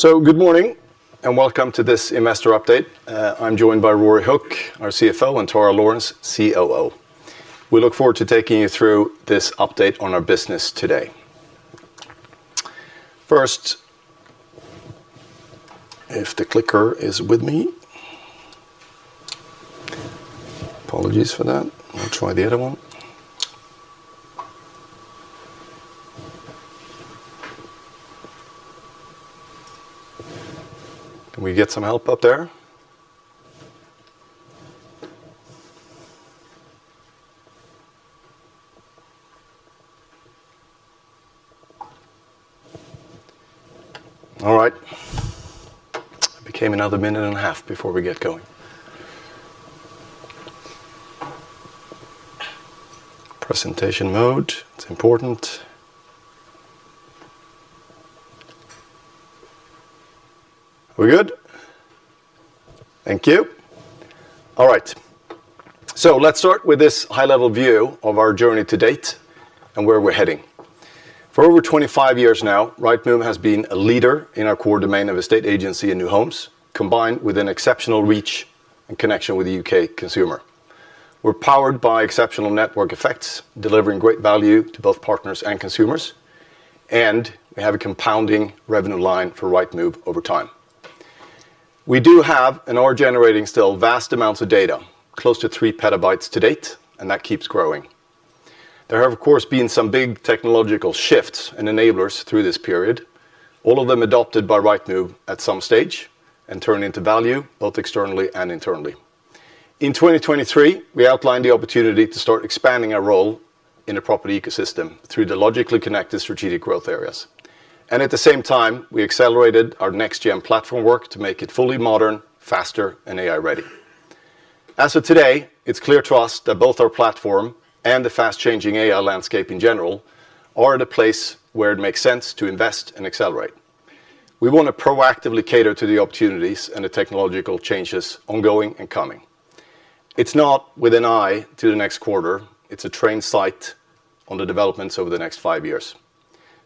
Good morning and welcome to this Investor Update. I'm joined by Ruaridh Hook, our CFO, and Tarah Lourens, COO. We look forward to taking you through this update on our business today. First, if the clicker is with me... Apologies for that. I'll try the other one. Can we get some help up there? All right. It became another minute and a half before we get going. Presentation mode. It's important. We're good? Thank you. All right. Let's start with this high-level view of our journey to date and where we're heading. For over 25 years now, Rightmove has been a leader in our Core domain of estate agency and new homes, combined with an exceptional reach and connection with the U.K. consumer. We're powered by exceptional network effects, delivering great value to both partners and consumers, and we have a compounding revenue line for Rightmove over time. We do have, and are generating still, vast amounts of data, close to 3 PB to date, and that keeps growing. There have, of course, been some big technological shifts and enablers through this period, all of them adopted by Rightmove at some stage and turned into value, both externally and internally. In 2023, we outlined the opportunity to start expanding our role in the property ecosystem through the logically connected Strategic Growth Areas. At the same time, we accelerated our NextGen platform work to make it fully modern, faster, and AI-ready. As of today, it is clear to us that both our platform and the fast-changing AI landscape in general are at a place where it makes sense to invest and accelerate. We want to proactively cater to the opportunities and the technological changes ongoing and coming. It's not with an eye to the next quarter. It's a trained sight on the developments over the next five years.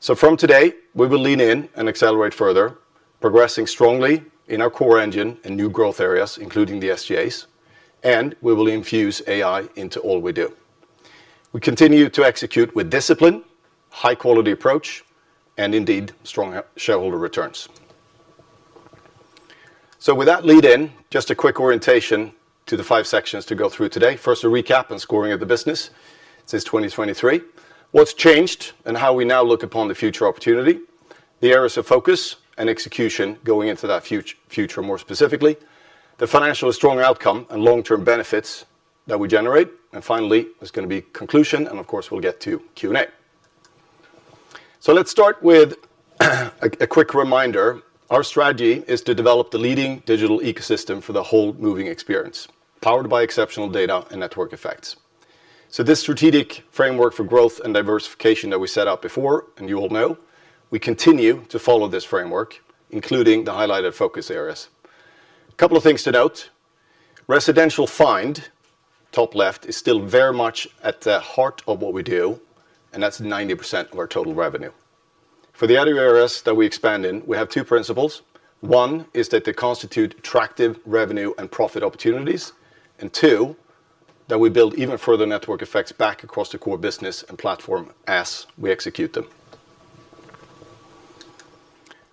From today, we will lean in and accelerate further, progressing strongly in our core engine and new growth areas, including the SGAs, and we will infuse AI into all we do. We continue to execute with discipline, high-quality approach, and indeed strong shareholder returns. With that lead-in, just a quick orientation to the five sections to go through today. First, a recap and scoring of the business since 2023, what's changed and how we now look upon the future opportunity, the areas of focus and execution going into that future more specifically, the financial strong outcome and long-term benefits that we generate. Finally, there's going to be conclusion, and of course, we'll get to Q&A. Let's start with a quick reminder. Our strategy is to develop the leading digital ecosystem for the whole moving experience, powered by exceptional data and network effects. This strategic framework for growth and diversification that we set up before, and you all know, we continue to follow this framework, including the highlighted focus areas. A couple of things to note. Residential find, top left, is still very much at the heart of what we do, and that is 90% of our total revenue. For the other areas that we expand in, we have two principles. One is that they constitute attractive revenue and profit opportunities, and two, that we build even further network effects back across the Core business and platform as we execute them.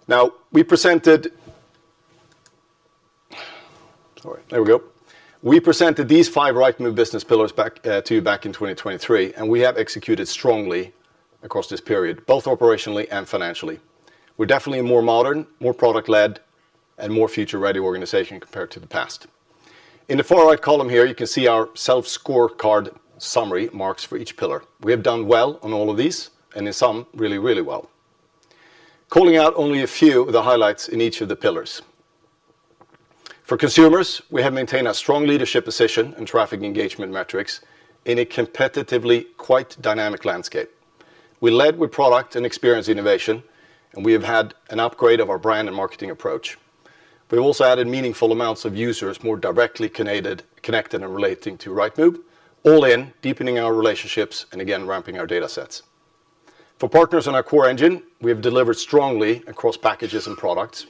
Now, we presented... Sorry, there we go. We presented these five Rightmove business pillars to you back in 2023, and we have executed strongly across this period, both operationally and financially. We're definitely a more modern, more product-led, and more future-ready organization compared to the past. In the far right column here, you can see our self-score card summary marks for each pillar. We have done well on all of these, and in some, really, really well. Calling out only a few of the highlights in each of the pillars. For consumers, we have maintained a strong leadership position and traffic engagement metrics in a competitively quite dynamic landscape. We led with product and experience innovation, and we have had an upgrade of our brand and marketing approach. We've also added meaningful amounts of users more directly connected and relating to Rightmove, all in deepening our relationships and, again, ramping our data sets. For partners in our core engine, we have delivered strongly across packages and products.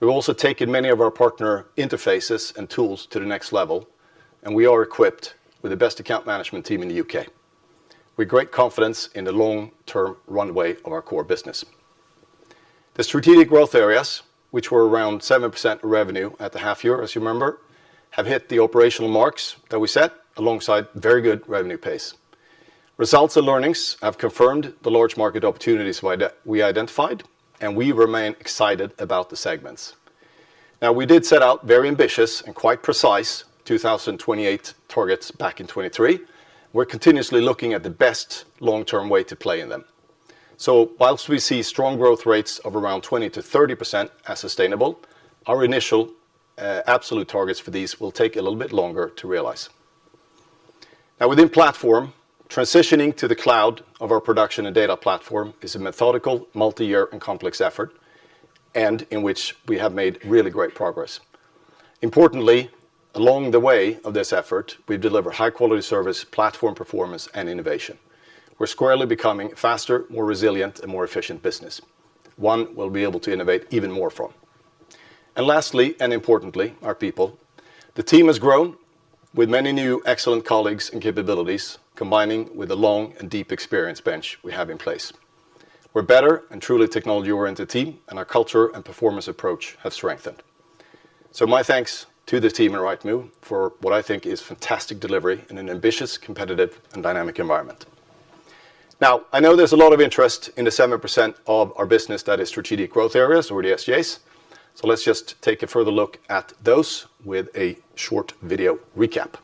We've also taken many of our partner interfaces and tools to the next level, and we are equipped with the best account management team in the U.K. We have great confidence in the long-term runway of our Core business. The Strategic Growth Areas, which were around 7% revenue at the half year, as you remember, have hit the operational marks that we set alongside very good revenue pace. Results and learnings have confirmed the large market opportunities we identified, and we remain excited about the segments. Now, we did set out very ambitious and quite precise 2028 targets back in 2023. We're continuously looking at the best long-term way to play in them. Whilst we see strong growth rates of around 20%-30% as sustainable, our initial absolute targets for these will take a little bit longer to realize. Now, within platform, transitioning to the cloud of our production and data platform is a methodical, multi-year, and complex effort, and in which we have made really great progress. Importantly, along the way of this effort, we've delivered high-quality service, platform performance, and innovation. We're squarely becoming a faster, more resilient, and more efficient business. One will be able to innovate even more from. Lastly, and importantly, our people. The team has grown with many new excellent colleagues and capabilities, combining with a long and deep experience bench we have in place. We're a better and truly technology-oriented team, and our culture and performance approach have strengthened. My thanks to the team at Rightmove for what I think is fantastic delivery in an ambitious, competitive, and dynamic environment. Now, I know there's a lot of interest in the 7% of our business that is Strategic Growth Areas, or the SGAs, so let's just take a further look at those with a short video recap.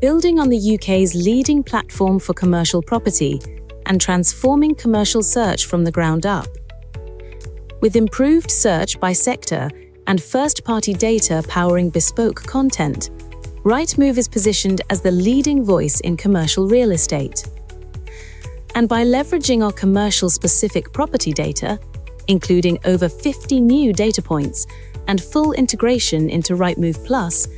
Building on the U.K.'s leading platform for commercial property and transforming commercial search from the ground up. With improved search by sector and first-party data powering bespoke content, Rightmove is positioned as the leading voice in commercial real estate. By leveraging our commercial-specific property data, including over 50 new data points and full integration into Rightmove Plus,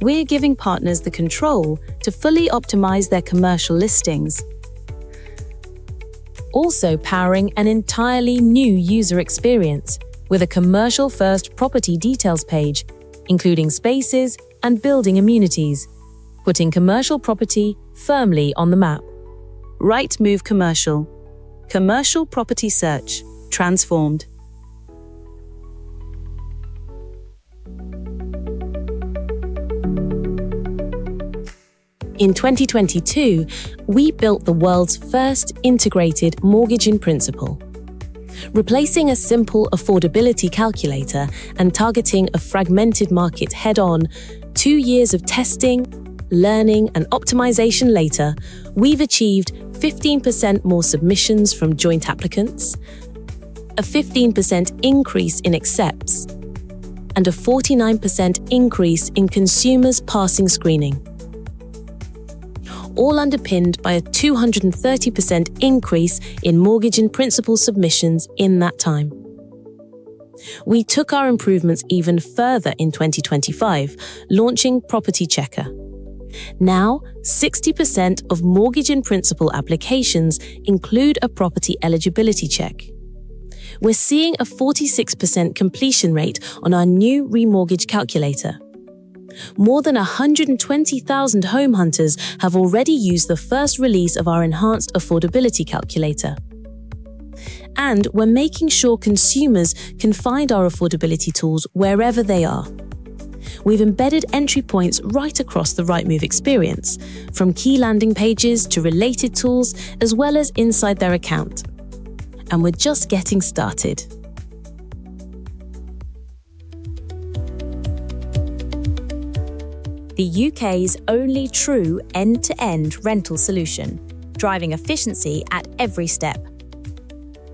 we're giving partners the control to fully optimize their commercial listings. Also powering an entirely new user experience with a commercial-first property details page, including spaces and building amenities, putting commercial property firmly on the map. Rightmove Commercial: Commercial Property Search Transformed. In 2022, we built the world's first integrated Mortgage in Principle. Replacing a simple affordability calculator and targeting a fragmented market head-on, two years of testing, learning, and optimization later, we've achieved 15% more submissions from joint applicants, a 15% increase in accepts, and a 49% increase in consumers passing screening, all underpinned by a 230% increase in Mortgage in Principle submissions in that time. We took our improvements even further in 2025, launching Property Checker. Now, 60% of Mortgage in Principle applications include a property eligibility check. We're seeing a 46% completion rate on our new remortgage calculator. More than 120,000 home hunters have already used the first release of our enhanced affordability calculator. We are making sure consumers can find our affordability tools wherever they are. We've embedded entry points right across the Rightmove experience, from key landing pages to related tools, as well as inside their account. We're just getting started. The U.K.'s only true end-to-end rental solution, driving efficiency at every step.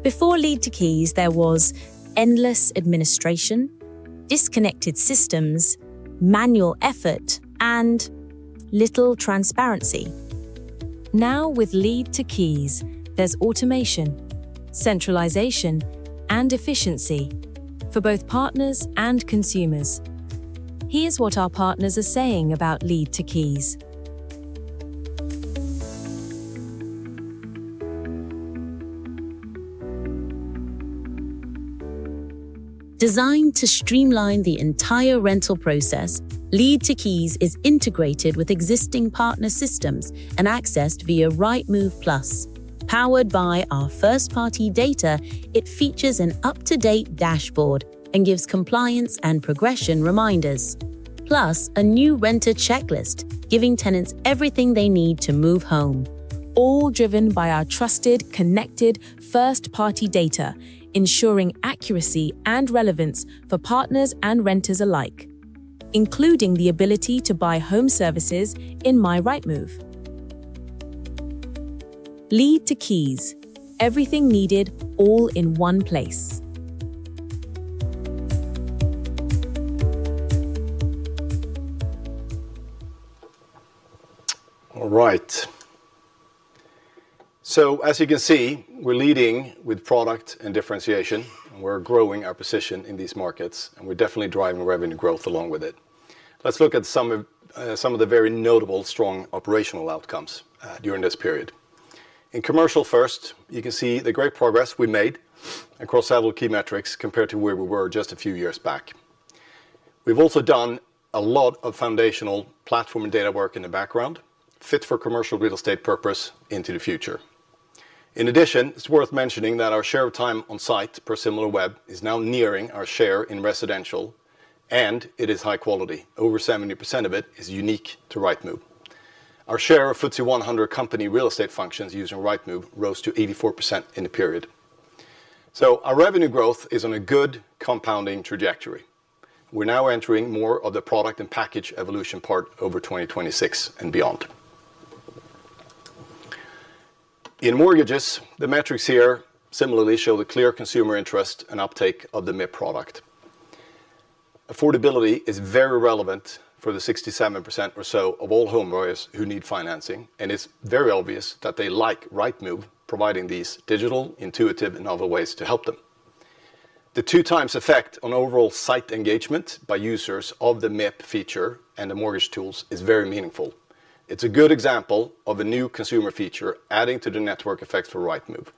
Before Lead to Keys, there was endless administration, disconnected systems, manual effort, and little transparency. Now, with Lead to Keys, there is automation, centralization, and efficiency for both partners and consumers. Here is what our partners are saying about Lead to Keys. Designed to streamline the entire rental process, Lead to Keys is integrated with existing partner systems and accessed via Rightmove Plus. Powered by our first-party data, it features an up-to-date dashboard and gives compliance and progression reminders, plus a new renter checklist, giving tenants everything they need to move home. All driven by our trusted, connected first-party data, ensuring accuracy and relevance for partners and renters alike, including the ability to buy home services in MyRightmove. Lead to Keys. Everything needed, all in one place. All right. As you can see, we're leading with product and differentiation, and we're growing our position in these markets, and we're definitely driving revenue growth along with it. Let's look at some of the very notable strong operational outcomes during this period. In commercial-first, you can see the great progress we made across several key metrics compared to where we were just a few years back. We've also done a lot of foundational platform and data work in the background, fit for commercial real estate purpose into the future. In addition, it's worth mentioning that our share of time on site per Similarweb is now nearing our share in Residential, and it is high quality. Over 70% of it is unique to Rightmove. Our share of FTSE 100 company real estate functions using Rightmove rose to 84% in the period. Our revenue growth is on a good compounding trajectory. We're now entering more of the product and package evolution part over 2026 and beyond. In mortgages, the metrics here similarly show the clear consumer interest and uptake of the MIP product. Affordability is very relevant for the 67% or so of all home buyers who need financing, and it's very obvious that they like Rightmove providing these digital, intuitive, and novel ways to help them. The two-times effect on overall site engagement by users of the MIP feature and the mortgage tools is very meaningful. It's a good example of a new consumer feature adding to the network effect for Rightmove.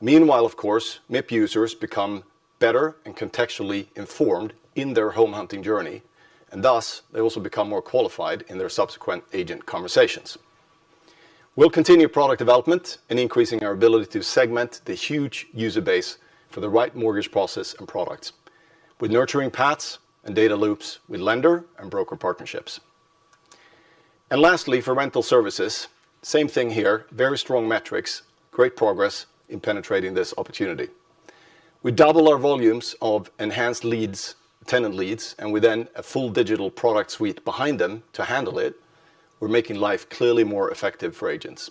Meanwhile, of course, MIP users become better and contextually informed in their home hunting journey, and thus, they also become more qualified in their subsequent agent conversations. We'll continue product development and increasing our ability to segment the huge user base for the right mortgage process and products, with nurturing paths and data loops with lender and broker partnerships. Lastly, for rental services, same thing here, very strong metrics, great progress in penetrating this opportunity. We double our volumes of enhanced leads, tenant leads, and we then have a full digital product suite behind them to handle it. We're making life clearly more effective for agents.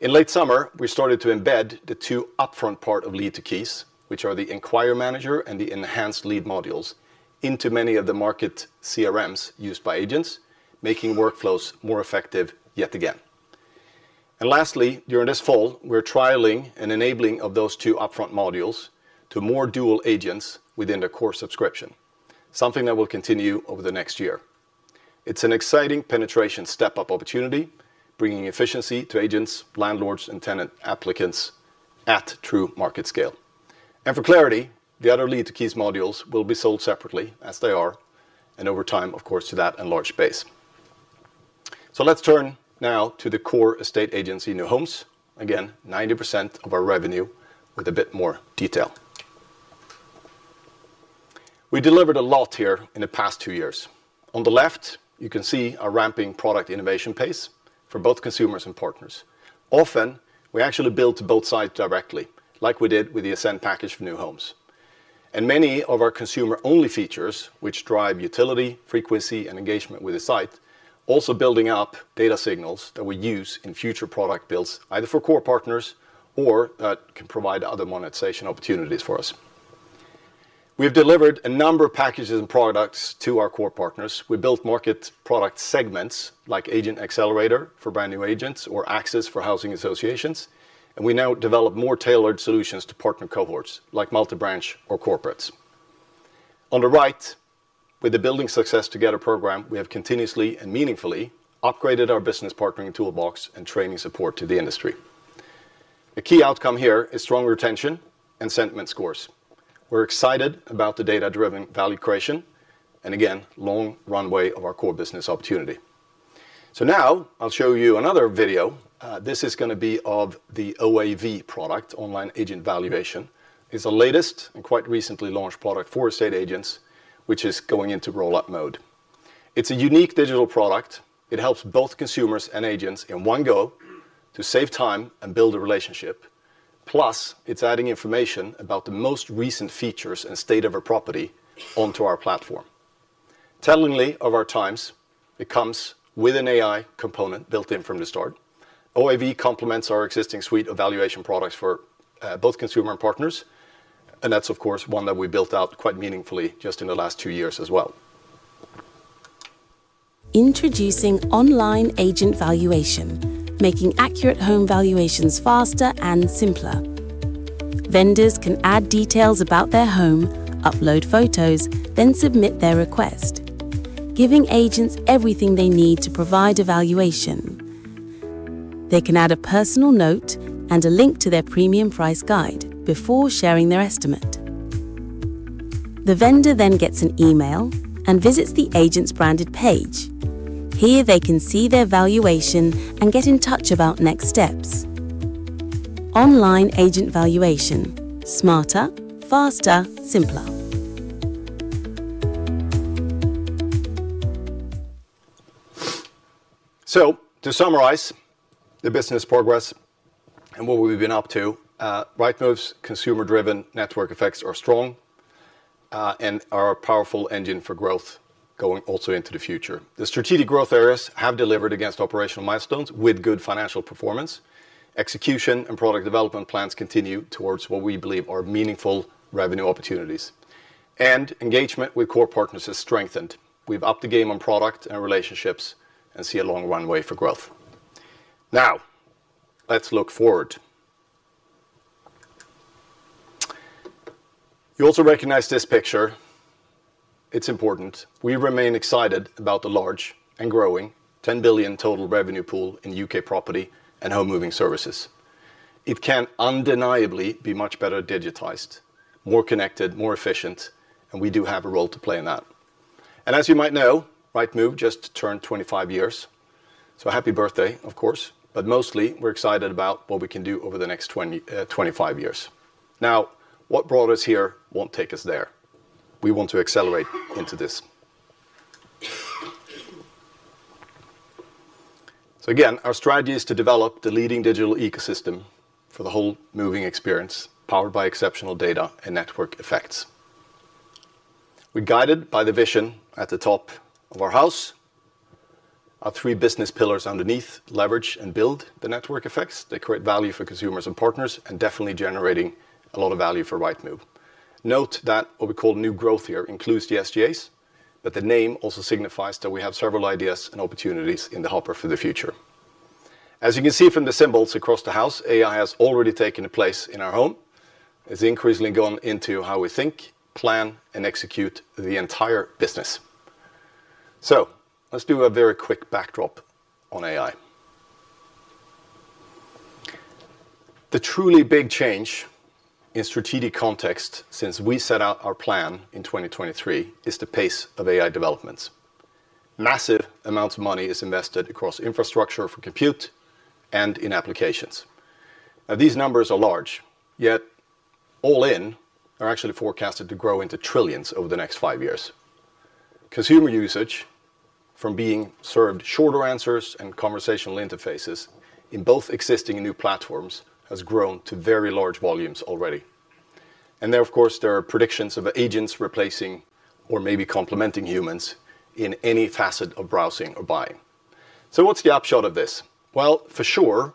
In late summer, we started to embed the two upfront part of Lead to Keys, which are the Enquiry Manager and the Enhanced Lead modules, into many of the market CRMs used by agents, making workflows more effective yet again. Lastly, during this fall, we're trialing and enabling those two upfront modules to more dual agents within the Core subscription, something that will continue over the next year. It's an exciting penetration step-up opportunity, bringing efficiency to agents, landlords, and tenant applicants at true market scale. For clarity, the other Lead to Keys modules will be sold separately as they are, and over time, of course, to that enlarged base. Let's turn now to the Core estate agency new homes, again, 90% of our revenue, with a bit more detail. We delivered a lot here in the past two years. On the left, you can see our ramping product innovation pace for both consumers and partners. Often, we actually build to both sides directly, like we did with the Ascent package for new homes. Many of our consumer-only features, which drive utility, frequency, and engagement with the site, are also building up data signals that we use in future product builds, either for Core partners or that can provide other monetization opportunities for us. We have delivered a number of packages and products to our Core partners. We built market product segments like Agent Accelerator for brand new agents or Axis for housing associations, and we now develop more tailored solutions to partner cohorts like multi-branch or corporates. On the right, with the Building Success Together program, we have continuously and meaningfully upgraded our business partnering toolbox and training support to the industry. The key outcome here is strong retention and sentiment scores. We're excited about the data-driven value creation and, again, long runway of our Core business opportunity. Now, I'll show you another video. This is going to be of the OAV product, Online Agent Valuation. It's the latest and quite recently launched product for estate agents, which is going into roll-up mode. It's a unique digital product. It helps both consumers and agents in one go to save time and build a relationship. Plus, it's adding information about the most recent features and state of a property onto our platform. Tellingly of our times, it comes with an AI component built in from the start. OAV complements our existing suite of valuation products for both consumer and partners, and that's, of course, one that we built out quite meaningfully just in the last two years as well. Introducing Online Agent Valuation, making accurate home valuations faster and simpler. Vendors can add details about their home, upload photos, then submit their request, giving agents everything they need to provide a valuation. They can add a personal note and a link to their premium price guide before sharing their estimate. The vendor then gets an email and visits the agent's branded page. Here, they can see their valuation and get in touch about next steps. Online Agent Valuation: smarter, faster, simpler. To summarize the business progress and what we've been up to, Rightmove's consumer-driven network effects are strong and are a powerful engine for growth going also into the future. The Strategic Growth Areas have delivered against operational milestones with good financial performance. Execution and product development plans continue towards what we believe are meaningful revenue opportunities. Engagement with Core partners has strengthened. We've upped the game on product and relationships and see a long runway for growth. Now, let's look forward. You also recognize this picture. It's important. We remain excited about the large and growing 10 billion total revenue pool in U.K. property and home moving services. It can undeniably be much better digitized, more connected, more efficient, and we do have a role to play in that. As you might know, Rightmove just turned 25 years. Happy birthday, of course, but mostly, we're excited about what we can do over the next 25 years. Now, what brought us here won't take us there. We want to accelerate into this. Again, our strategy is to develop the leading digital ecosystem for the whole moving experience, powered by exceptional data and network effects. We're guided by the vision at the top of our house, our three business pillars underneath, leverage and build the network effects that create value for consumers and partners, and definitely generating a lot of value for Rightmove. Note that what we call new growth here includes the SGAs, but the name also signifies that we have several ideas and opportunities in the hopper for the future. As you can see from the symbols across the house, AI has already taken a place in our home. It's increasingly gone into how we think, plan, and execute the entire business. Let's do a very quick backdrop on AI. The truly big change in strategic context since we set out our plan in 2023 is the pace of AI developments. Massive amounts of money are invested across infrastructure for compute and in applications. Now, these numbers are large, yet all in are actually forecasted to grow into trillions over the next five years. Consumer usage from being served shorter answers and conversational interfaces in both existing and new platforms has grown to very large volumes already. There, of course, there are predictions of agents replacing or maybe complementing humans in any facet of browsing or buying. What's the upshot of this? For sure,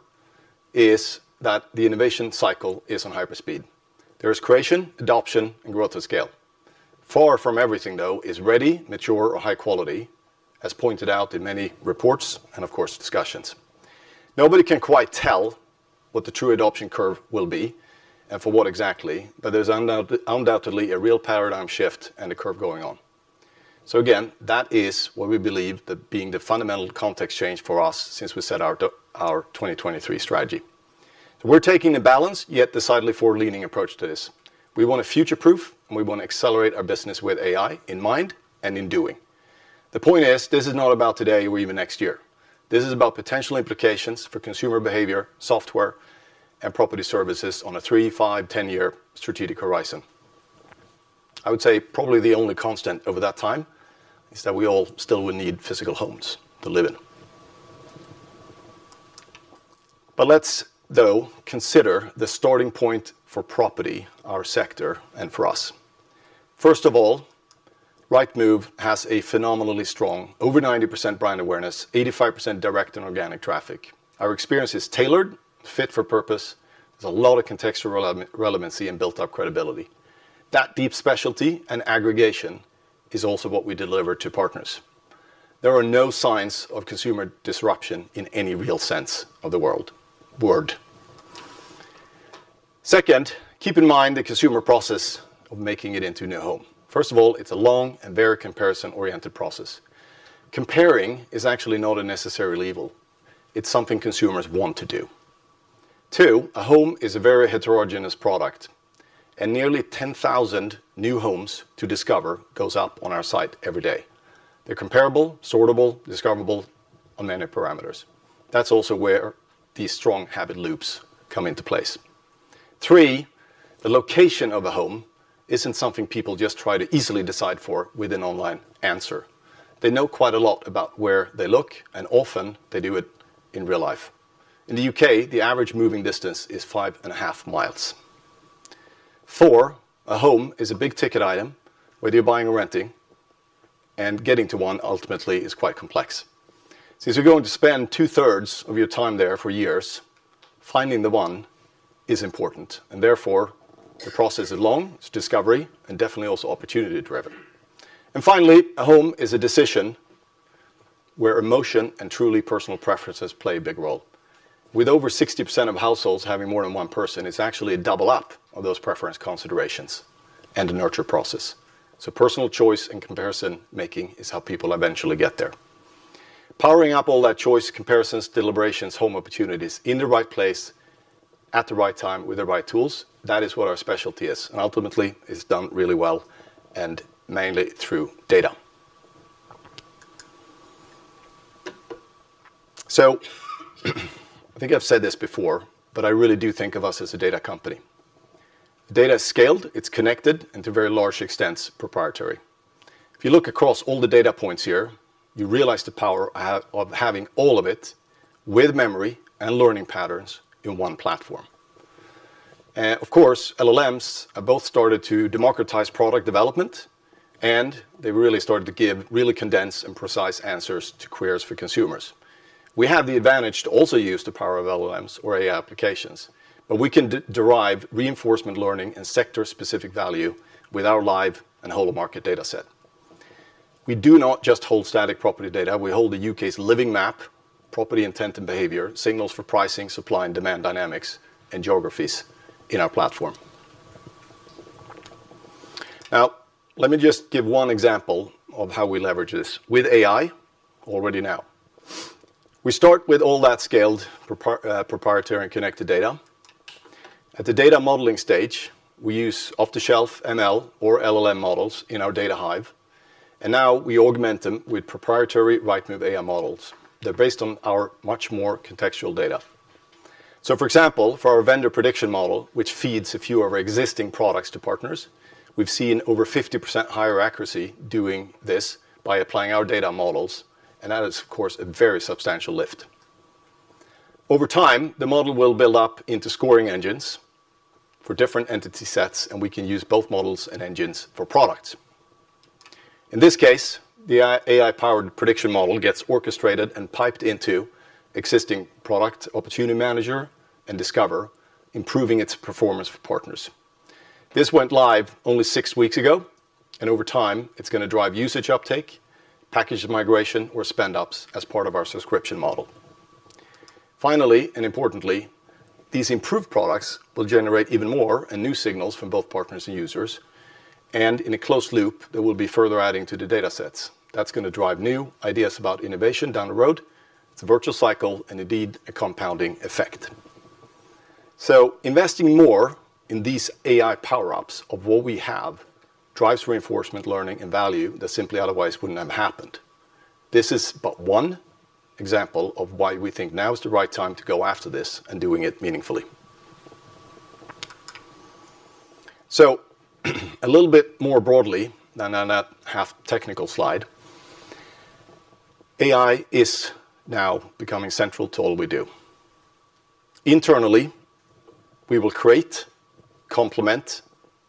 is that the innovation cycle is on hyper-speed. There is creation, adoption, and growth at scale. Far from everything, though, is ready, mature, or high quality, as pointed out in many reports and, of course, discussions. Nobody can quite tell what the true adoption curve will be and for what exactly, but there is undoubtedly a real paradigm shift and a curve going on. That is what we believe, that being the fundamental context change for us since we set out our 2023 strategy. We are taking a balanced, yet decidedly forward-leaning approach to this. We want to future-proof, and we want to accelerate our business with AI in mind and in doing. The point is, this is not about today or even next year. This is about potential implications for consumer behavior, software, and property services on a three, five, ten-year strategic horizon. I would say probably the only constant over that time is that we all still will need physical homes to live in. Let's, though, consider the starting point for property, our sector, and for us. First of all, Rightmove has a phenomenally strong, over 90% brand awareness, 85% direct and organic traffic. Our experience is tailored, fit for purpose. There is a lot of contextual relevancy and built-up credibility. That deep specialty and aggregation is also what we deliver to partners. There are no signs of consumer disruption in any real sense of the word. Second, keep in mind the consumer process of making it into a new home. First of all, it is a long and very comparison-oriented process. Comparing is actually not a necessary evil. It is something consumers want to do. Two, a home is a very heterogeneous product, and nearly 10,000 new homes to discover go up on our site every day. They are comparable, sortable, discoverable on many parameters. That is also where these strong habit loops come into place. Three, the location of a home is not something people just try to easily decide for with an online answer. They know quite a lot about where they look, and often they do it in real life. In the U.K., the average moving distance is 5.5 mi. Four, a home is a big ticket item whether you're buying or renting, and getting to one ultimately is quite complex. Since you're going to spend two-thirds of your time there for years, finding the one is important, and therefore, the process is long, it's discovery, and definitely also opportunity-driven. Finally, a home is a decision where emotion and truly personal preferences play a big role. With over 60% of households having more than one person, it's actually a double-up of those preference considerations and a nurture process. Personal choice and comparison making is how people eventually get there. Powering up all that choice, comparisons, deliberations, home opportunities in the right place, at the right time, with the right tools, that is what our specialty is. Ultimately, it is done really well and mainly through data. I think I have said this before, but I really do think of us as a data company. Data is scaled, it is connected, and to very large extents, proprietary. If you look across all the data points here, you realize the power of having all of it with memory and learning patterns in one platform. Of course, LLMs have both started to democratize product development, and they really started to give really condensed and precise answers to queries for consumers. We have the advantage to also use the power of LLMs or AI applications, but we can derive reinforcement learning and sector-specific value with our live and whole-market data set. We do not just hold static property data. We hold the U.K.'s living map, property intent and behavior, signals for pricing, supply and demand dynamics, and geographies in our platform. Now, let me just give one example of how we leverage this with AI already now. We start with all that scaled proprietary and connected data. At the data modeling stage, we use off-the-shelf ML or LLM models in our data hive, and now we augment them with proprietary Rightmove AI models that are based on our much more contextual data. For example, for our vendor prediction model, which feeds a few of our existing products to partners, we've seen over 50% higher accuracy doing this by applying our data models, and that is, of course, a very substantial lift. Over time, the model will build up into scoring engines for different entity sets, and we can use both models and engines for products. In this case, the AI-powered prediction model gets orchestrated and piped into existing product opportunity manager and Discover, improving its performance for partners. This went live only six weeks ago, and over time, it's going to drive usage uptake, package migration, or spend-ups as part of our subscription model. Finally, and importantly, these improved products will generate even more and new signals from both partners and users, and in a closed loop, there will be further adding to the data sets. That is going to drive new ideas about innovation down the road. It's a virtuous cycle and indeed a compounding effect. Investing more in these AI power-ups of what we have drives reinforcement learning and value that simply otherwise wouldn't have happened. This is but one example of why we think now is the right time to go after this and doing it meaningfully. A little bit more broadly than on that half technical slide, AI is now becoming central to all we do. Internally, we will create, complement,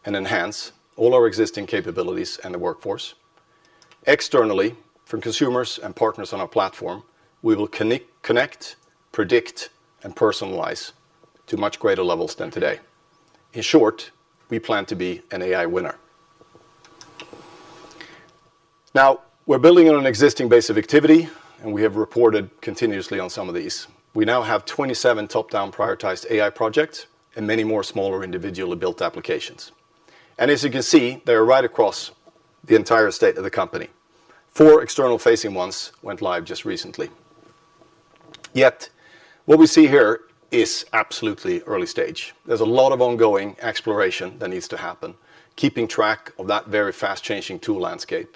and enhance all our existing capabilities and the workforce. Externally, from consumers and partners on our platform, we will connect, predict, and personalize to much greater levels than today. In short, we plan to be an AI winner. Now, we're building on an existing base of activity, and we have reported continuously on some of these. We now have 27 top-down prioritized AI projects and many more smaller individually built applications. As you can see, they are right across the entire estate of the company. Four external-facing ones went live just recently. Yet, what we see here is absolutely early stage. Is a lot of ongoing exploration that needs to happen, keeping track of that very fast-changing tool landscape,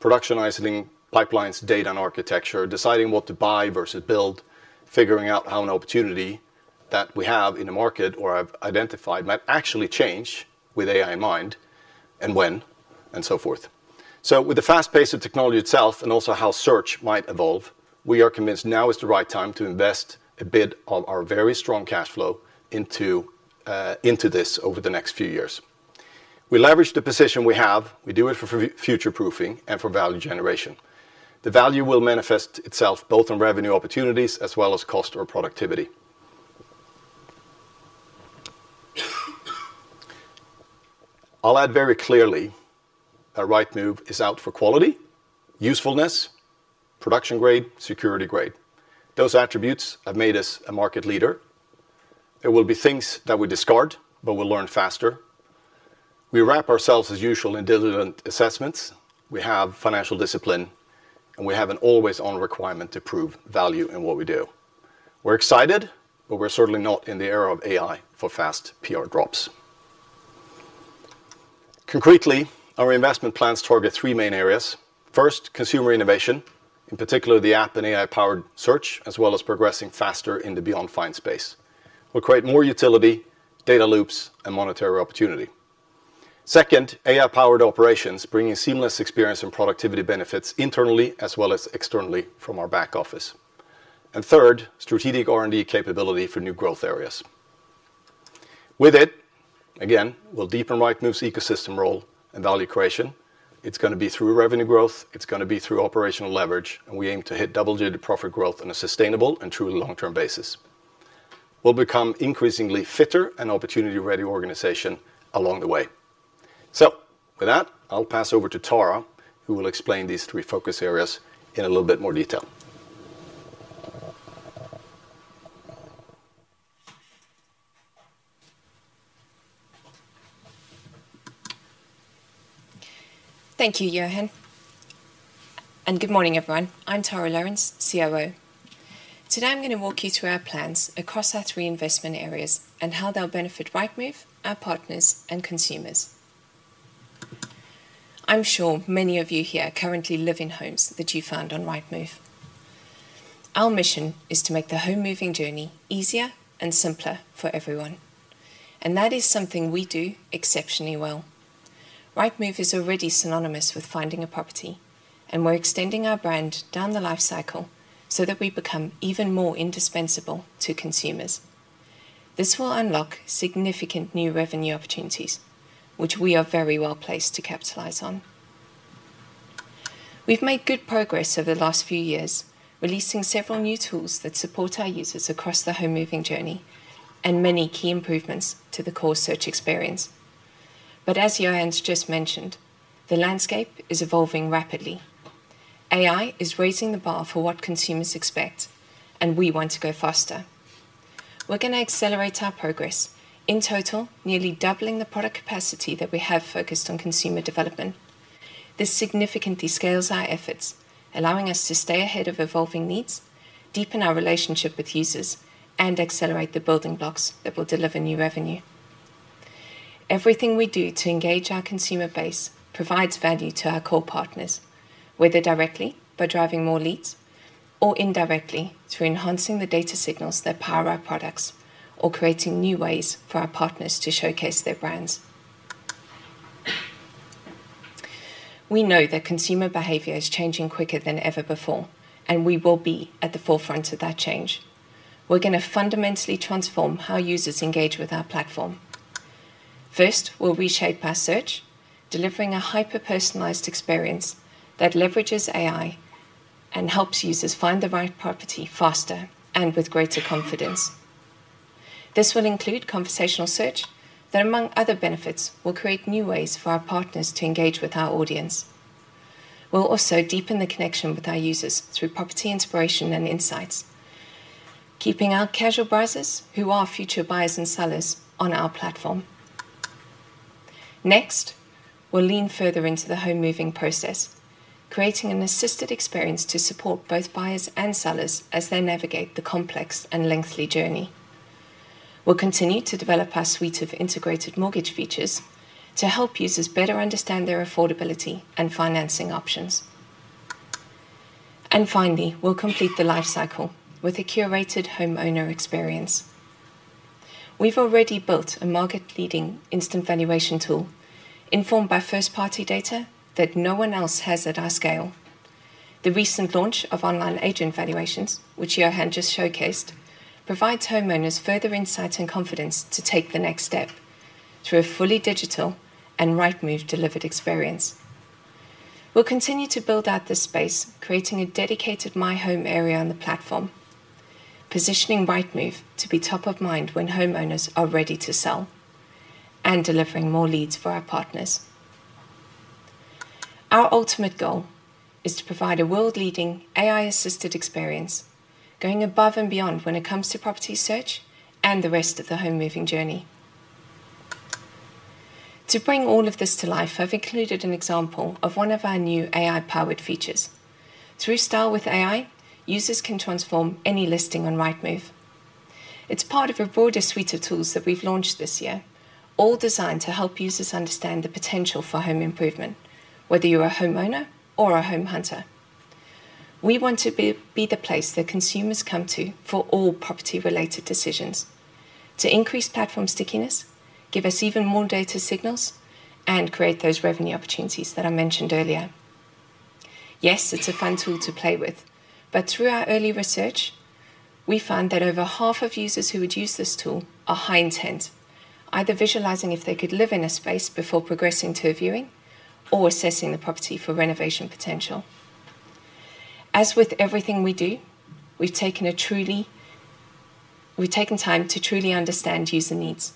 production isolating pipelines, data, and architecture, deciding what to buy versus build, figuring out how an opportunity that we have in the market or have identified might actually change with AI in mind and when and so forth. With the fast pace of technology itself and also how search might evolve, we are convinced now is the right time to invest a bit of our very strong cash flow into this over the next few years. We leverage the position we have. We do it for future-proofing and for value generation. The value will manifest itself both in revenue opportunities as well as cost or productivity. I will add very clearly that Rightmove is out for quality, usefulness, production grade, security grade. Those attributes have made us a market leader. There will be things that we discard, but we'll learn faster. We wrap ourselves as usual in diligent assessments. We have financial discipline, and we have an always-on requirement to prove value in what we do. We're excited, but we're certainly not in the era of AI for fast PR drops. Concretely, our investment plans target three main areas. First, consumer innovation, in particular the app and AI-powered search, as well as progressing faster in the beyond-find space. We'll create more utility, data loops, and monetary opportunity. Second, AI-powered operations bringing seamless experience and productivity benefits internally as well as externally from our back office. Third, strategic R&D capability for new growth areas. With it, again, we'll deepen Rightmove's ecosystem role and value creation. It's going to be through revenue growth. It's going to be through operational leverage, and we aim to hit double-digit profit growth on a sustainable and truly long-term basis. We will become an increasingly fitter and opportunity-ready organization along the way. With that, I'll pass over to Tarah, who will explain these three focus areas in a little bit more detail. Thank you, Johan. Good morning, everyone. I'm Tarah Lourens, COO. Today, I'm going to walk you through our plans across our three investment areas and how they will benefit Rightmove, our partners, and consumers. I'm sure many of you here currently live in homes that you found on Rightmove. Our mission is to make the home-moving journey easier and simpler for everyone. That is something we do exceptionally well. Rightmove is already synonymous with finding a property, and we're extending our brand down the life cycle so that we become even more indispensable to consumers. This will unlock significant new revenue opportunities, which we are very well placed to capitalize on. We've made good progress over the last few years, releasing several new tools that support our users across the home-moving journey and many key improvements to the Core search experience. As Johan's just mentioned, the landscape is evolving rapidly. AI is raising the bar for what consumers expect, and we want to go faster. We're going to accelerate our progress, in total nearly doubling the product capacity that we have focused on consumer development. This significantly scales our efforts, allowing us to stay ahead of evolving needs, deepen our relationship with users, and accelerate the building blocks that will deliver new revenue. Everything we do to engage our consumer base provides value to our Core partners, whether directly by driving more leads or indirectly through enhancing the data signals that power our products or creating new ways for our partners to showcase their brands. We know that consumer behavior is changing quicker than ever before, and we will be at the forefront of that change. We're going to fundamentally transform how users engage with our platform. First, we'll reshape our search, delivering a hyper-personalized experience that leverages AI and helps users find the right property faster and with greater confidence. This will include conversational search that, among other benefits, will create new ways for our partners to engage with our audience. We'll also deepen the connection with our users through property inspiration and insights, keeping our casual buyers, who are future buyers and sellers, on our platform. Next, we'll lean further into the home-moving process, creating an assisted experience to support both buyers and sellers as they navigate the complex and lengthy journey. We'll continue to develop our suite of integrated mortgage features to help users better understand their affordability and financing options. Finally, we'll complete the life cycle with a curated homeowner experience. We've already built a market-leading instant valuation tool informed by first-party data that no one else has at our scale. The recent launch of online agent valuations, which Johan just showcased, provides homeowners further insight and confidence to take the next step through a fully digital and Rightmove-delivered experience. We'll continue to build out this space, creating a dedicated My Home area on the platform, positioning Rightmove to be top of mind when homeowners are ready to sell, and delivering more leads for our partners. Our ultimate goal is to provide a world-leading AI-assisted experience, going above and beyond when it comes to property search and the rest of the home-moving journey. To bring all of this to life, I've included an example of one of our new AI-powered features. Through Style with AI, users can transform any listing on Rightmove. It's part of a broader suite of tools that we've launched this year, all designed to help users understand the potential for home improvement, whether you're a homeowner or a home hunter. We want to be the place that consumers come to for all property-related decisions, to increase platform stickiness, give us even more data signals, and create those revenue opportunities that I mentioned earlier. Yes, it's a fun tool to play with, but through our early research, we found that over half of users who would use this tool are high intent, either visualizing if they could live in a space before progressing to a viewing or assessing the property for renovation potential. As with everything we do, we've taken time to truly understand user needs,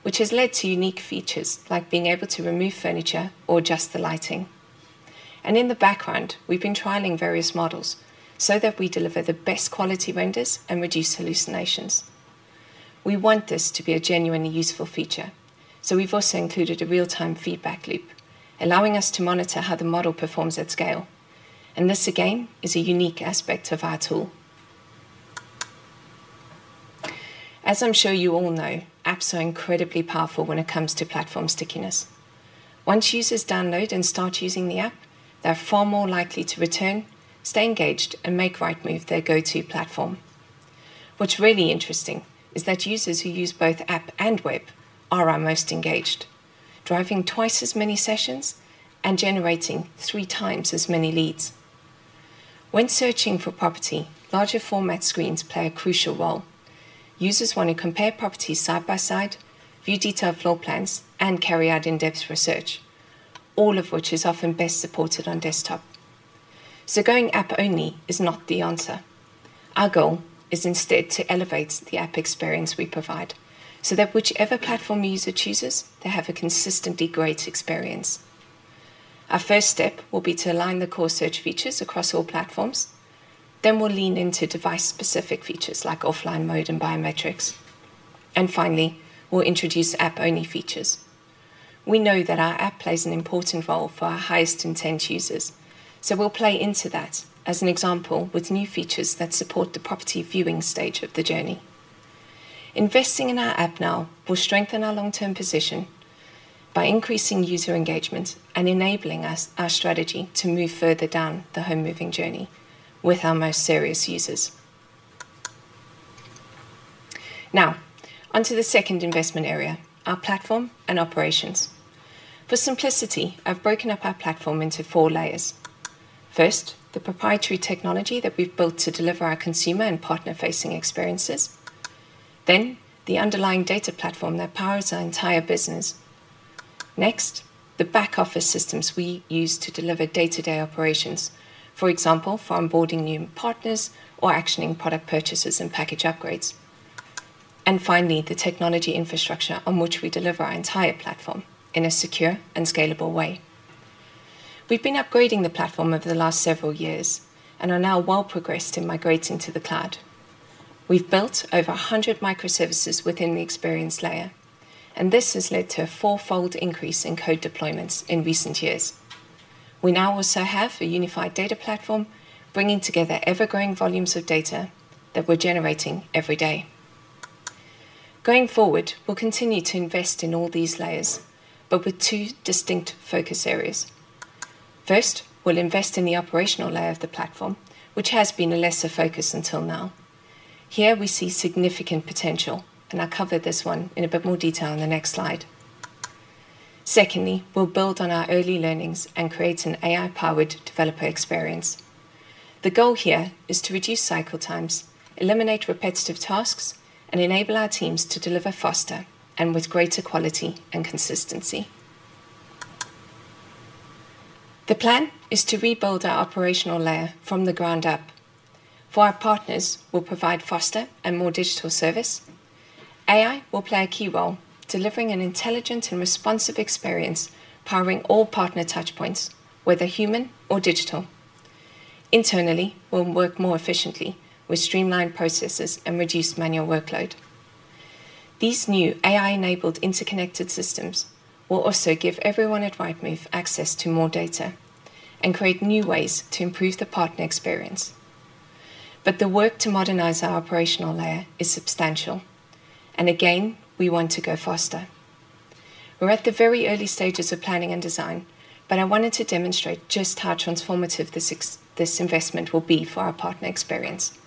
which has led to unique features like being able to remove furniture or adjust the lighting. In the background, we've been trialing various models so that we deliver the best quality renders and reduce hallucinations. We want this to be a genuinely useful feature, so we've also included a real-time feedback loop, allowing us to monitor how the model performs at scale. This, again, is a unique aspect of our tool. As I'm sure you all know, apps are incredibly powerful when it comes to platform stickiness. Once users download and start using the app, they're far more likely to return, stay engaged, and make Rightmove their go-to platform. What's really interesting is that users who use both app and web are our most engaged, driving twice as many sessions and generating three times as many leads. When searching for property, larger format screens play a crucial role. Users want to compare properties side by side, view detailed floor plans, and carry out in-depth research, all of which is often best supported on desktop. Going app-only is not the answer. Our goal is instead to elevate the app experience we provide so that whichever platform user chooses, they have a consistently great experience. Our first step will be to align the core search features across all platforms. We'll lean into device-specific features like offline mode and biometrics. Finally, we'll introduce app-only features. We know that our app plays an important role for our highest intent users, so we'll play into that as an example with new features that support the property viewing stage of the journey. Investing in our app now will strengthen our long-term position by increasing user engagement and enabling our strategy to move further down the home-moving journey with our most serious users. Now, onto the second investment area, our platform and operations. For simplicity, I've broken up our platform into four layers. First, the proprietary technology that we've built to deliver our consumer and partner-facing experiences. Then, the underlying data platform that powers our entire business. Next, the back-office systems we use to deliver day-to-day operations, for example, for onboarding new partners or actioning product purchases and package upgrades. Finally, the technology infrastructure on which we deliver our entire platform in a secure and scalable way. We have been upgrading the platform over the last several years and are now well progressed in migrating to the cloud. We have built over 100 microservices within the experience layer, and this has led to a four-fold increase in code deployments in recent years. We now also have a unified data platform bringing together ever-growing volumes of data that we are generating every day. Going forward, we will continue to invest in all these layers, but with two distinct focus areas. First, we will invest in the operational layer of the platform, which has been a lesser focus until now. Here, we see significant potential, and I will cover this one in a bit more detail on the next slide. Secondly, we will build on our early learnings and create an AI-powered developer experience. The goal here is to reduce cycle times, eliminate repetitive tasks, and enable our teams to deliver faster and with greater quality and consistency. The plan is to rebuild our operational layer from the ground up. For our partners, we'll provide faster and more digital service. AI will play a key role, delivering an intelligent and responsive experience powering all partner touchpoints, whether human or digital. Internally, we'll work more efficiently with streamlined processes and reduced manual workload. These new AI-enabled interconnected systems will also give everyone at Rightmove access to more data and create new ways to improve the partner experience. The work to modernize our operational layer is substantial. Again, we want to go faster. We're at the very early stages of planning and design, but I wanted to demonstrate just how transformative this investment will be for our partner experience.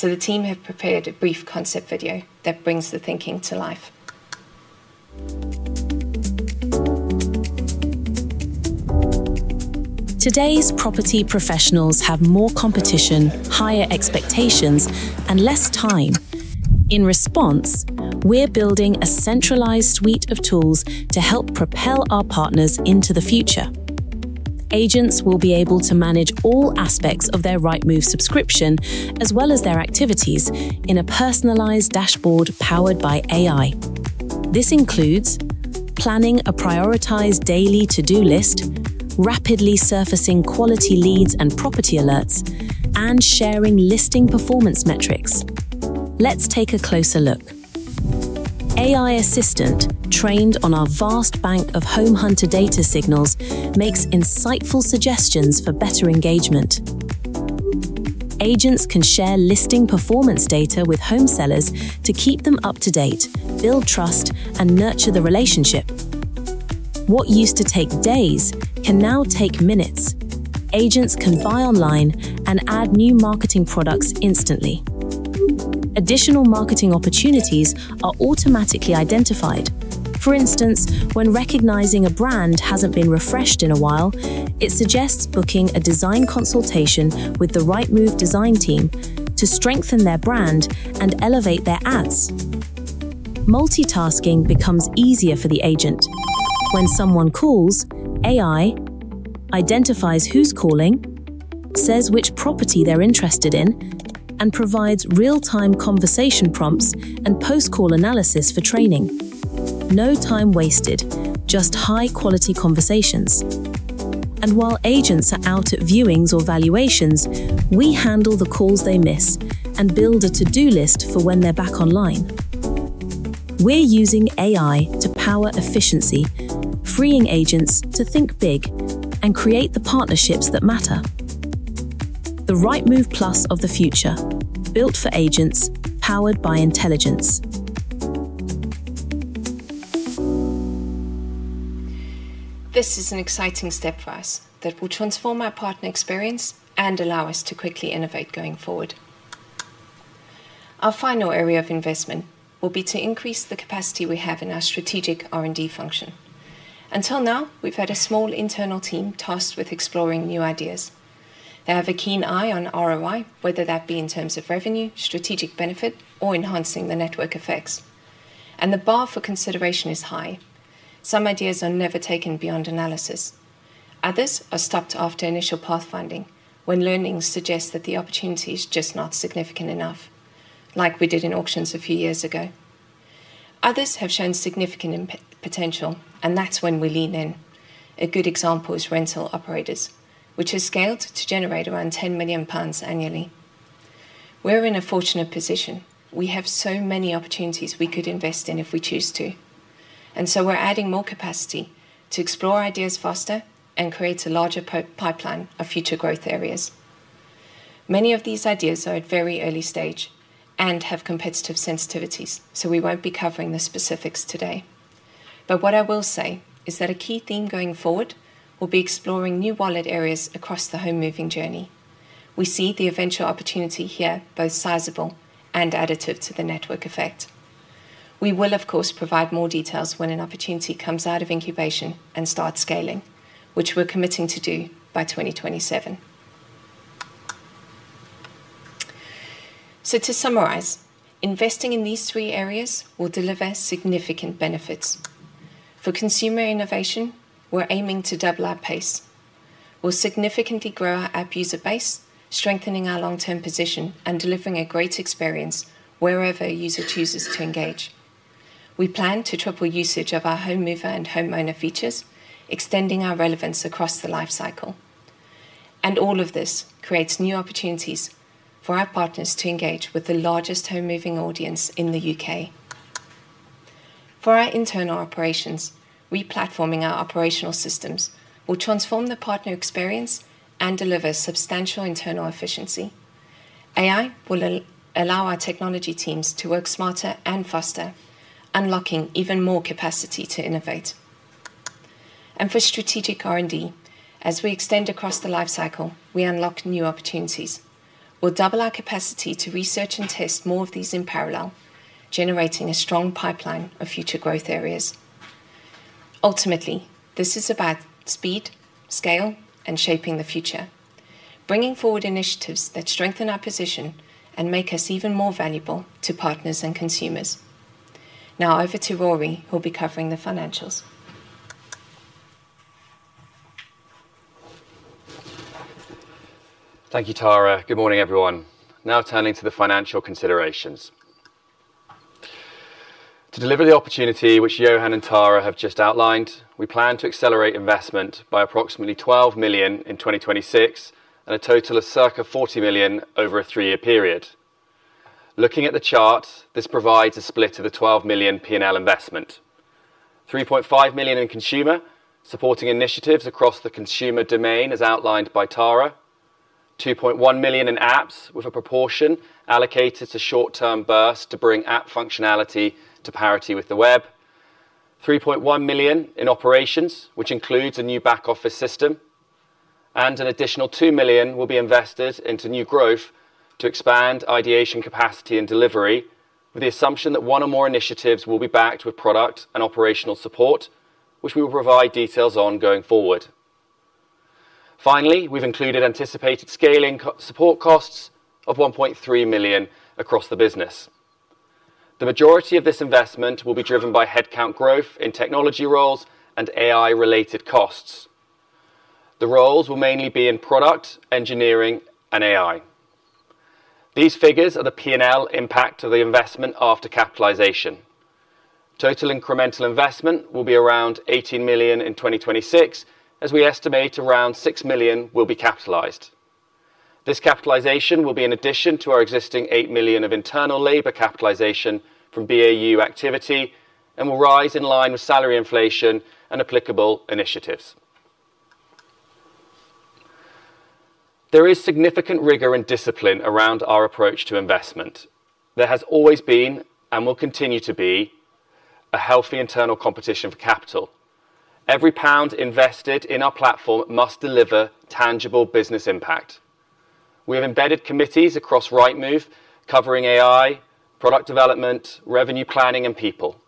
The team have prepared a brief concept video that brings the thinking to life. Today's property professionals have more competition, higher expectations, and less time. In response, we're building a centralized suite of tools to help propel our partners into the future. Agents will be able to manage all aspects of their Rightmove subscription as well as their activities in a personalized dashboard powered by AI. This includes planning a prioritized daily to-do list, rapidly surfacing quality leads and property alerts, and sharing listing performance metrics. Let's take a closer look. AI Assistant, trained on our vast bank of home hunter data signals, makes insightful suggestions for better engagement. Agents can share listing performance data with home sellers to keep them up to date, build trust, and nurture the relationship. What used to take days can now take minutes. Agents can buy online and add new marketing products instantly. Additional marketing opportunities are automatically identified. For instance, when recognizing a brand has not been refreshed in a while, it suggests booking a design consultation with the Rightmove design team to strengthen their brand and elevate their ads. Multitasking becomes easier for the agent. When someone calls, AI identifies who is calling, says which property they are interested in, and provides real-time conversation prompts and post-call analysis for training. No time wasted, just high-quality conversations. While agents are out at viewings or valuations, we handle the calls they miss and build a to-do list for when they are back online. We are using AI to power efficiency, freeing agents to think big and create the partnerships that matter. The Rightmove Plus of the future, built for agents, powered by intelligence. This is an exciting step for us that will transform our partner experience and allow us to quickly innovate going forward. Our final area of investment will be to increase the capacity we have in our strategic R&D function. Until now, we've had a small internal team tasked with exploring new ideas. They have a keen eye on ROI, whether that be in terms of revenue, strategic benefit, or enhancing the network effects. The bar for consideration is high. Some ideas are never taken beyond analysis. Others are stopped after initial pathfinding when learnings suggest that the opportunity is just not significant enough, like we did in auctions a few years ago. Others have shown significant potential, and that's when we lean in. A good example is rental operators, which has scaled to generate around 10 million pounds annually. We're in a fortunate position. We have so many opportunities we could invest in if we choose to. We're adding more capacity to explore ideas faster and create a larger pipeline of future growth areas. Many of these ideas are at very early stage and have competitive sensitivities, so we will not be covering the specifics today. What I will say is that a key theme going forward will be exploring new wallet areas across the home-moving journey. We see the eventual opportunity here both sizable and additive to the network effect. We will, of course, provide more details when an opportunity comes out of incubation and starts scaling, which we are committing to do by 2027. To summarize, investing in these three areas will deliver significant benefits. For consumer innovation, we are aiming to double our pace. We will significantly grow our app user base, strengthening our long-term position and delivering a great experience wherever a user chooses to engage. We plan to triple usage of our home mover and homeowner features, extending our relevance across the life cycle. All of this creates new opportunities for our partners to engage with the largest home-moving audience in the U.K. For our internal operations, replatforming our operational systems will transform the partner experience and deliver substantial internal efficiency. AI will allow our technology teams to work smarter and faster, unlocking even more capacity to innovate. For strategic R&D, as we extend across the life cycle, we unlock new opportunities. We'll double our capacity to research and test more of these in parallel, generating a strong pipeline of future growth areas. Ultimately, this is about speed, scale, and shaping the future, bringing forward initiatives that strengthen our position and make us even more valuable to partners and consumers. Now over to Ruaridh, who'll be covering the financials. Thank you, Tarah. Good morning, everyone. Now turning to the financial considerations. To deliver the opportunity which Johan and Tarah have just outlined, we plan to accelerate investment by approximately 12 million in 2026 and a total of circa 40 million over a three-year period. Looking at the chart, this provides a split of the 12 million P&L investment. 3.5 million in consumer, supporting initiatives across the consumer domain as outlined by Tarah. 2.1 million in apps, with a proportion allocated to short-term burst to bring app functionality to parity with the web. 3.1 million in operations, which includes a new back-office system. An additional 2 million will be invested into new growth to expand ideation capacity and delivery, with the assumption that one or more initiatives will be backed with product and operational support, which we will provide details on going forward. Finally, we have included anticipated scaling support costs of 1.3 million across the business. The majority of this investment will be driven by headcount growth in technology roles and AI-related costs. The roles will mainly be in product, engineering, and AI. These figures are the P&L impact of the investment after capitalization. Total incremental investment will be around 18 million in 2026, as we estimate around 6 million will be capitalized. This capitalization will be in addition to our existing 8 million of internal labor capitalization from BAU activity and will rise in line with salary inflation and applicable initiatives. There is significant rigor and discipline around our approach to investment. There has always been and will continue to be a healthy internal competition for capital. Every pound invested in our platform must deliver tangible business impact. We have embedded committees across Rightmove covering AI, product development, revenue planning, and people.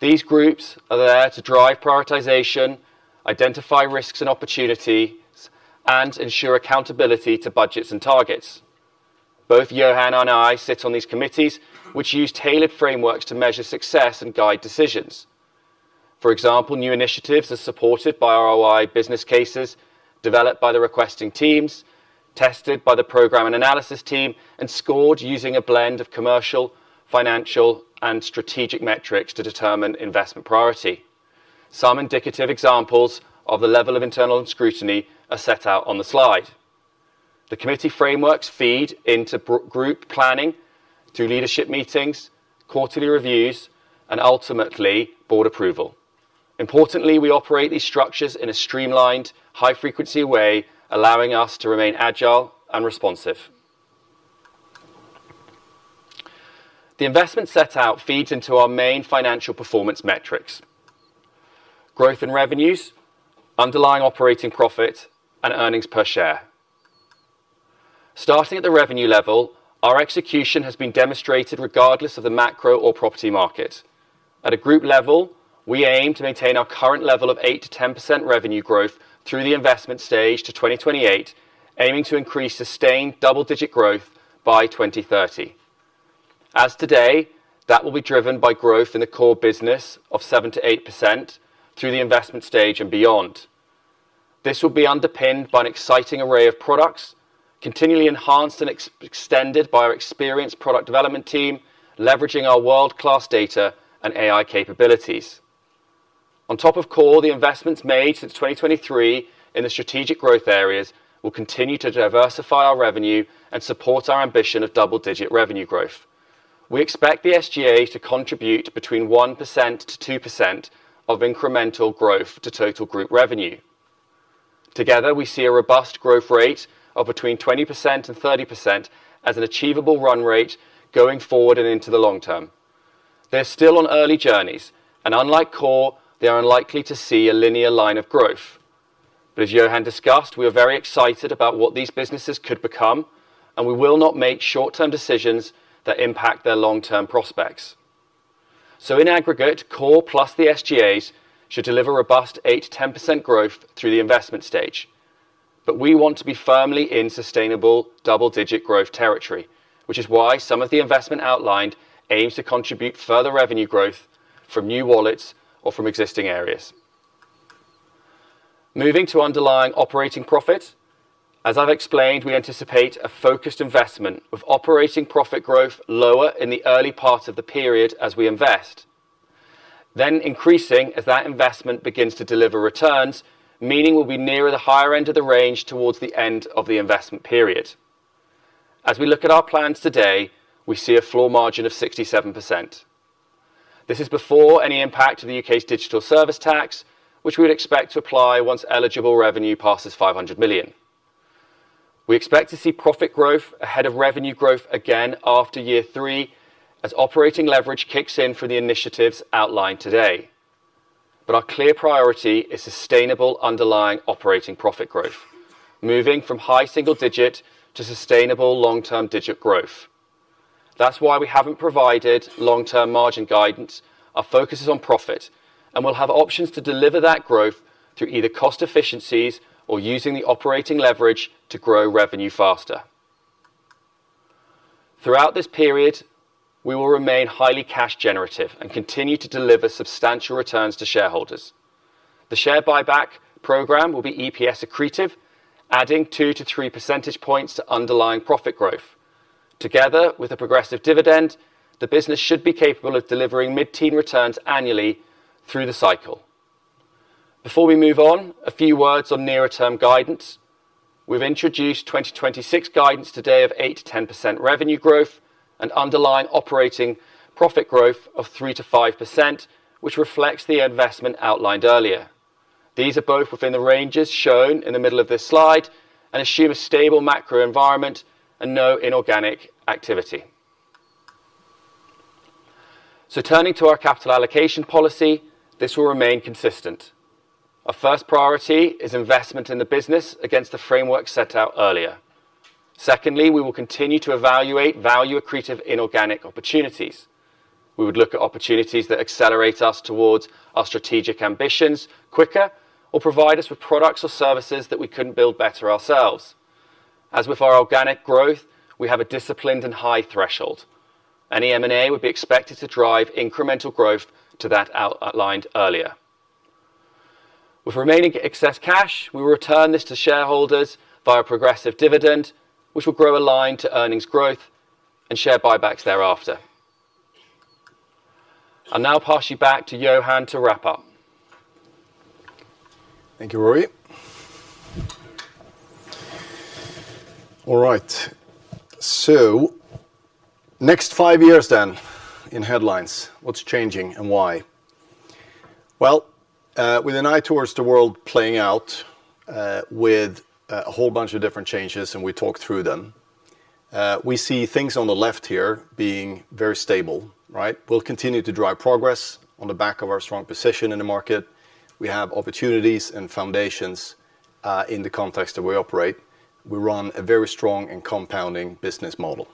These groups are there to drive prioritization, identify risks and opportunities, and ensure accountability to budgets and targets. Both Johan and I sit on these committees, which use tailored frameworks to measure success and guide decisions. For example, new initiatives are supported by ROI business cases developed by the requesting teams, tested by the program and analysis team, and scored using a blend of commercial, financial, and strategic metrics to determine investment priority. Some indicative examples of the level of internal scrutiny are set out on the slide. The committee frameworks feed into group planning through leadership meetings, quarterly reviews, and ultimately board approval. Importantly, we operate these structures in a streamlined, high-frequency way, allowing us to remain agile and responsive. The investment set out feeds into our main financial performance metrics: growth in revenues, underlying operating profit, and earnings per share. Starting at the revenue level, our execution has been demonstrated regardless of the macro or property market. At a group level, we aim to maintain our current level of 8%-10% revenue growth through the investment stage to 2028, aiming to increase sustained double-digit growth by 2030. As today, that will be driven by growth in the Core business of 7%-8% through the investment stage and beyond. This will be underpinned by an exciting array of products, continually enhanced and extended by our experienced product development team, leveraging our world-class data and AI capabilities. On top of all, the investments made since 2023 in the Strategic Growth Areas will continue to diversify our revenue and support our ambition of double-digit revenue growth. We expect the SGAs to contribute between 1%-2% of incremental growth to total group revenue. Together, we see a robust growth rate of between 20% and 30% as an achievable run rate going forward and into the long term. They are still on early journeys, and unlike Core, they are unlikely to see a linear line of growth. As Johan discussed, we are very excited about what these businesses could become, and we will not make short-term decisions that impact their long-term prospects. In aggregate, Core plus the SGAs should deliver robust 8%-10% growth through the investment stage. We want to be firmly in sustainable double-digit growth territory, which is why some of the investment outlined aims to contribute further revenue growth from new wallets or from existing areas. Moving to underlying operating profit, as I've explained, we anticipate a focused investment with operating profit growth lower in the early part of the period as we invest, then increasing as that investment begins to deliver returns, meaning we'll be nearer the higher end of the range towards the end of the investment period. As we look at our plans today, we see a floor margin of 67%. This is before any impact of the U.K.'s digital service tax, which we would expect to apply once eligible revenue passes 500 million. We expect to see profit growth ahead of revenue growth again after year three as operating leverage kicks in for the initiatives outlined today. Our clear priority is sustainable underlying operating profit growth, moving from high single-digit to sustainable long-term digit growth. That's why we haven't provided long-term margin guidance. Our focus is on profit, and we will have options to deliver that growth through either cost efficiencies or using the operating leverage to grow revenue faster. Throughout this period, we will remain highly cash-generative and continue to deliver substantial returns to shareholders. The share buyback program will be EPS accretive, adding 2-3 percentage points to underlying profit growth. Together with a progressive dividend, the business should be capable of delivering mid-teen returns annually through the cycle. Before we move on, a few words on nearer-term guidance. We have introduced 2026 guidance today of 8%-10% revenue growth and underlying operating profit growth of 3%-5%, which reflects the investment outlined earlier. These are both within the ranges shown in the middle of this slide and assume a stable macro environment and no inorganic activity. Turning to our capital allocation policy, this will remain consistent. Our first priority is investment in the business against the framework set out earlier. Secondly, we will continue to evaluate value-accretive inorganic opportunities. We would look at opportunities that accelerate us towards our strategic ambitions quicker or provide us with products or services that we could not build better ourselves. As with our organic growth, we have a disciplined and high threshold. Any M&A would be expected to drive incremental growth to that outlined earlier. With remaining excess cash, we will return this to shareholders via a progressive dividend, which will grow aligned to earnings growth and share buybacks thereafter. I will now pass you back to Johan to wrap up. Thank you, Ruaridh. All right. Next five years then in headlines, what is changing and why? With an eye towards the world playing out with a whole bunch of different changes and we talk through them, we see things on the left here being very stable. We'll continue to drive progress on the back of our strong position in the market. We have opportunities and foundations in the context that we operate. We run a very strong and compounding business model.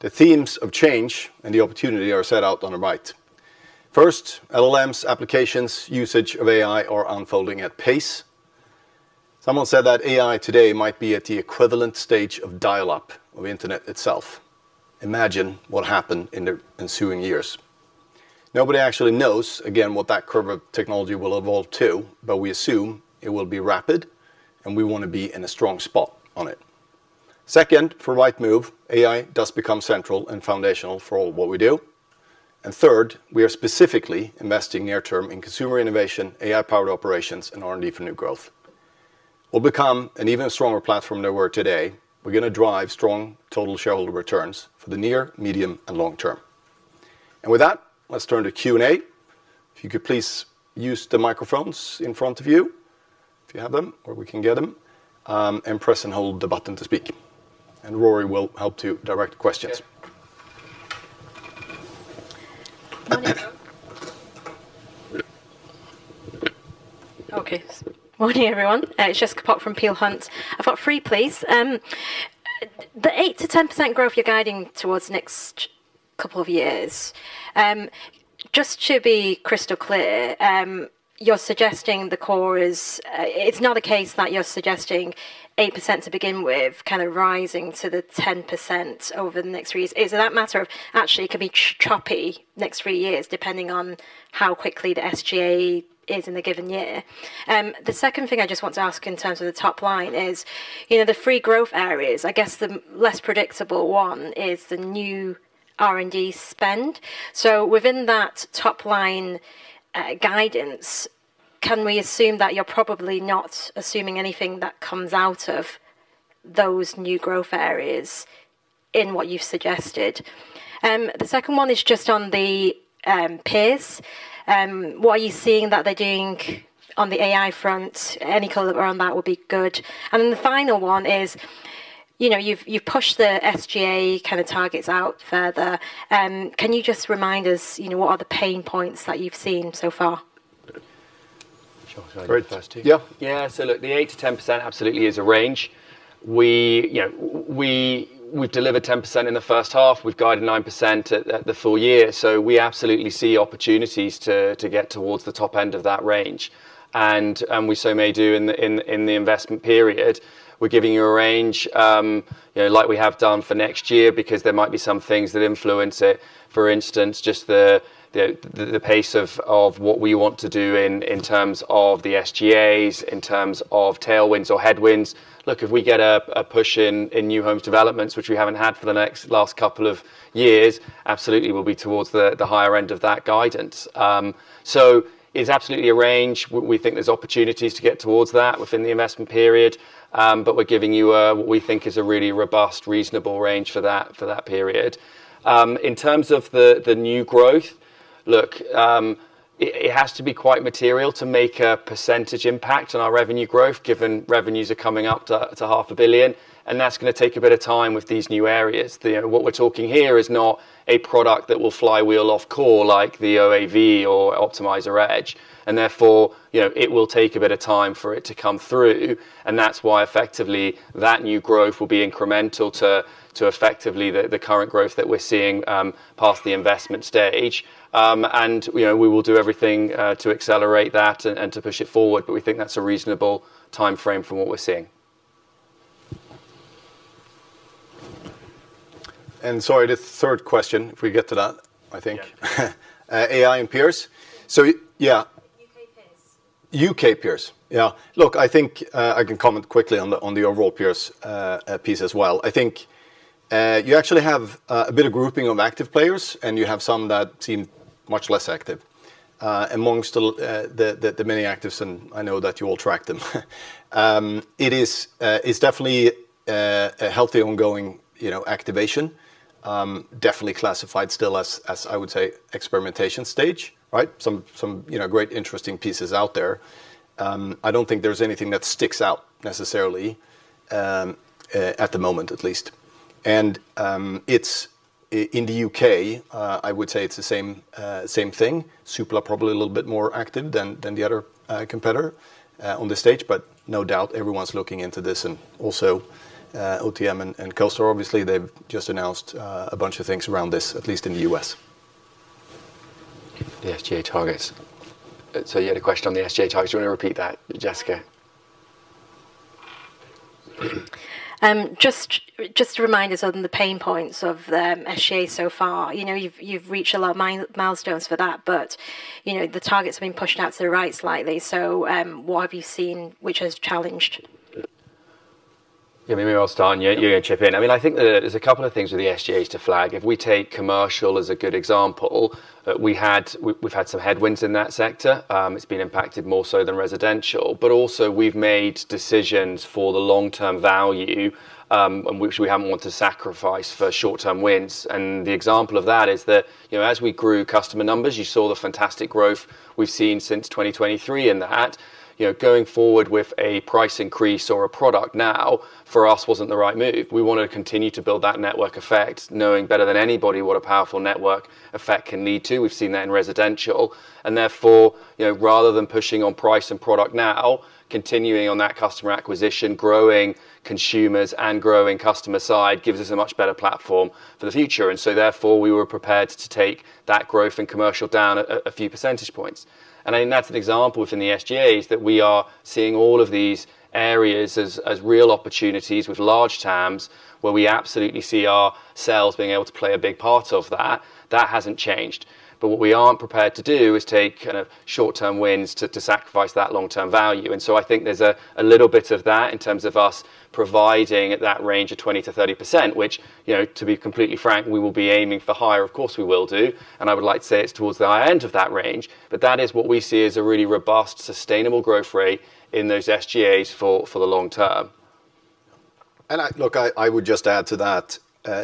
The themes of change and the opportunity are set out on the right. First, LLMs, applications, usage of AI are unfolding at pace. Someone said that AI today might be at the equivalent stage of dial-up of the internet itself. Imagine what happened in the ensuing years. Nobody actually knows, again, what that curve of technology will evolve to, but we assume it will be rapid and we want to be in a strong spot on it. Second, for Rightmove, AI does become central and foundational for all what we do. Third, we are specifically investing near-term in consumer innovation, AI-powered operations, and R&D for new growth. We'll become an even stronger platform than we are today. We're going to drive strong total shareholder returns for the near, medium, and long term. With that, let's turn to Q&A. If you could please use the microphones in front of you, if you have them, or we can get them, and press and hold the button to speak. Ruaridh will help to direct questions. Okay. Morning, everyone. It's Jessica Pok from Peel Hunt, for free, please. The 8%-10% growth you're guiding towards the next couple of years, just to be crystal clear, you're suggesting the core is it's not a case that you're suggesting 8% to begin with kind of rising to the 10% over the next three years. Is it that matter of actually it could be choppy next three years depending on how quickly the SGA is in the given year? The second thing I just want to ask in terms of the top line is the three growth areas. I guess the less predictable one is the new R&D spend. So within that top line guidance, can we assume that you're probably not assuming anything that comes out of those new growth areas in what you've suggested? The second one is just on the peers. What are you seeing that they're doing on the AI front? Any color around that would be good. The final one is you've pushed the SGA kind of targets out further. Can you just remind us what are the pain points that you've seen so far? Sure. Very fast, team. Yeah. Look, the 8%-10% absolutely is a range. We've delivered 10% in the first half. We've guided 9% at the full year. We absolutely see opportunities to get towards the top end of that range. We may do in the investment period. We're giving you a range like we have done for next year because there might be some things that influence it. For instance, just the pace of what we want to do in terms of the SGAs, in terms of tailwinds or headwinds. Look, if we get a push in new homes developments, which we haven't had for the last couple of years, absolutely we'll be towards the higher end of that guidance. It is absolutely a range. We think there's opportunities to get towards that within the investment period. We are giving you what we think is a really robust, reasonable range for that period. In terms of the new growth, it has to be quite material to make a percentage impact on our revenue growth given revenues are coming up to GBP 500,000,000. That is going to take a bit of time with these new areas. What we are talking here is not a product that will flywheel off Core like the OAV or Optimizer Edge. Therefore, it will take a bit of time for it to come through. That is why effectively that new growth will be incremental to effectively the current growth that we are seeing past the investment stage. We will do everything to accelerate that and to push it forward. We think that is a reasonable time frame from what we are seeing. Sorry, this third question, if we get to that, I think. AI and peers. Yeah. U.K. peers. U.K. peers. Yeah. I think I can comment quickly on the overall peers piece as well. I think you actually have a bit of grouping of active players, and you have some that seem much less active amongst the many actives. I know that you all track them. It is definitely a healthy ongoing activation, definitely classified still as, I would say, experimentation stage. Some great interesting pieces out there. I do not think there is anything that sticks out necessarily at the moment, at least. In the U.K., I would say it is the same thing. Zoopla probably a little bit more active than the other competitor on the stage, but no doubt everyone is looking into this. Also, OTM and CoStar, obviously, they have just announced a bunch of things around this, at least in the U.S. The SGA targets. You had a question on the SGA targets. Do you want to repeat that, Jessica? Just to remind us of the pain points of the SGA so far. You have reached a lot of milestones for that, but the targets have been pushed out to the right slightly. What have you seen which has challenged? Yeah, maybe I will start and you are going to chip in. I mean, I think there are a couple of things with the SGAs to flag. If we take Commercial as a good example, we've had some headwinds in that sector. It has been impacted more so than Residential. We have also made decisions for the long-term value, which we have not wanted to sacrifice for short-term wins. The example of that is that as we grew customer numbers, you saw the fantastic growth we have seen since 2023 in that. Going forward with a price increase or a product now for us was not the right move. We wanted to continue to build that network effect, knowing better than anybody what a powerful network effect can lead to. We have seen that in Residential. Therefore, rather than pushing on price and product now, continuing on that customer acquisition, growing consumers and growing customer side gives us a much better platform for the future. Therefore, we were prepared to take that growth in Commercial down a few percentage points. I think that's an example within the SGAs that we are seeing all of these areas as real opportunities with large TAMs where we absolutely see our sales being able to play a big part of that. That hasn't changed. What we aren't prepared to do is take short-term wins to sacrifice that long-term value. I think there's a little bit of that in terms of us providing that range of 20%-30%, which, to be completely frank, we will be aiming for higher. Of course, we will do. I would like to say it's towards the high end of that range. That is what we see as a really robust, sustainable growth rate in those SGAs for the long term. I would just add to that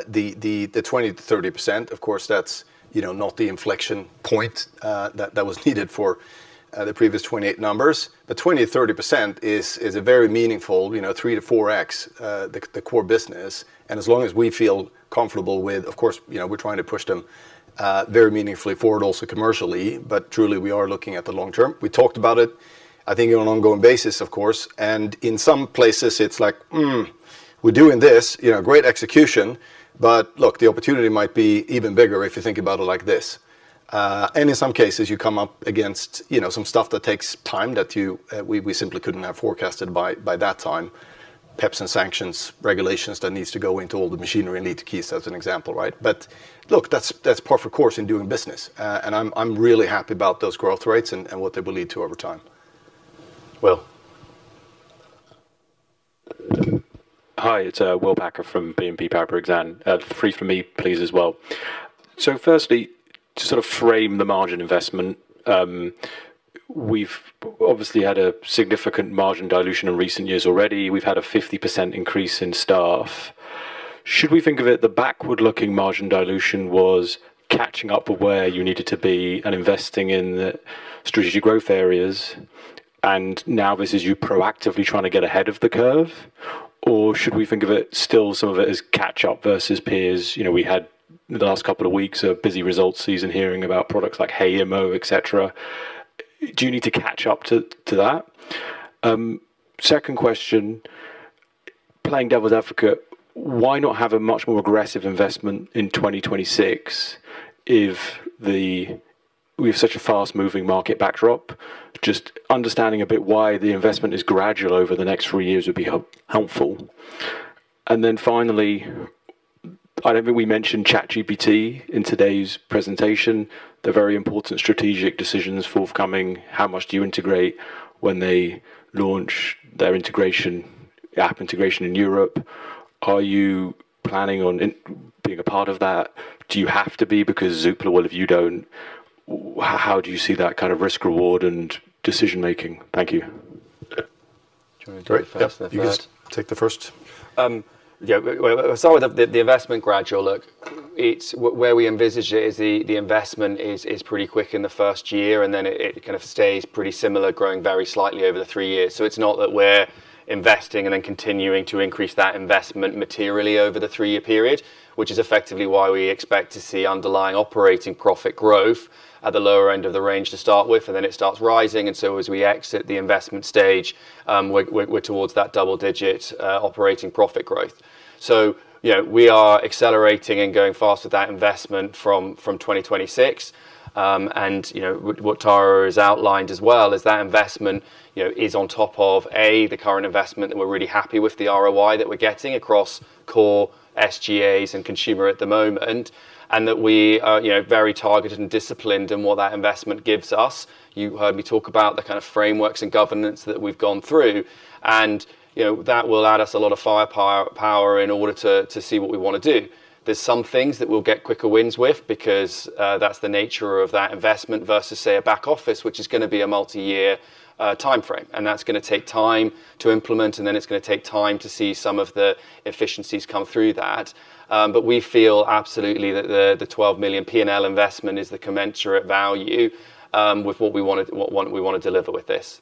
the 20%-30%, of course, that's not the inflection point that was needed for the previous 28 numbers. The 20%-30% is a very meaningful 3x-4x the Core business. As long as we feel comfortable with, of course, we're trying to push them very meaningfully forward also commercially. Truly, we are looking at the long term. We talked about it, I think, on an ongoing basis, of course. In some places, it's like, we're doing this, great execution. The opportunity might be even bigger if you think about it like this. In some cases, you come up against some stuff that takes time that we simply couldn't have forecasted by that time, PEPs and sanctions, regulations that need to go into all the machinery and Lead to Keys, as an example. Look, that's par for course in doing business. I'm really happy about those growth rates and what they will lead to over time. Will. Hi, it's Will Packer from BNP Paribas Exane. Three for me, please, as well. Firstly, to sort of frame the margin investment, we've obviously had a significant margin dilution in recent years already. We've had a 50% increase in staff. Should we think of it, the backward-looking margin dilution, as catching up where you needed to be and investing in Strategic Growth Areas, and now this is you proactively trying to get ahead of the curve? Or should we think of it as still some of it being catch-up versus peers? We had, in the last couple of weeks, a busy results season hearing about products like [HAYIMO], etc. Do you need to catch up to that? Second question, playing devil's advocate, why not have a much more aggressive investment in 2026 if we have such a fast-moving market backdrop? Just understanding a bit why the investment is gradual over the next three years would be helpful. Finally, I do not think we mentioned ChatGPT in today's presentation. There are very important strategic decisions forthcoming. How much do you integrate when they launch their integration, app integration in Europe? Are you planning on being a part of that? Do you have to be because Zoopla, what if you do not? How do you see that kind of risk-reward and decision-making? Thank you. Joining the first. You can take the first. Yeah. I will start with the investment gradual. Look, where we envisage it is the investment is pretty quick in the first year, and then it kind of stays pretty similar, growing very slightly over the three years. It is not that we are investing and then continuing to increase that investment materially over the three-year period, which is effectively why we expect to see underlying operating profit growth at the lower end of the range to start with. It then starts rising. As we exit the investment stage, we are towards that double-digit operating profit growth. We are accelerating and going fast with that investment from 2026. What Tarah has outlined as well is that investment is on top of, A, the current investment that we are really happy with, the ROI that we are getting across Core SGAs and Consumer at the moment, and that we are very targeted and disciplined in what that investment gives us. You heard me talk about the kind of frameworks and governance that we have gone through. That will add us a lot of firepower in order to see what we want to do. There are some things that we will get quicker wins with because that is the nature of that investment versus, say, a back office, which is going to be a multi-year time frame. That is going to take time to implement. Then it is going to take time to see some of the efficiencies come through that. We feel absolutely that the 12 million P&L investment is the commensurate value with what we want to deliver with this.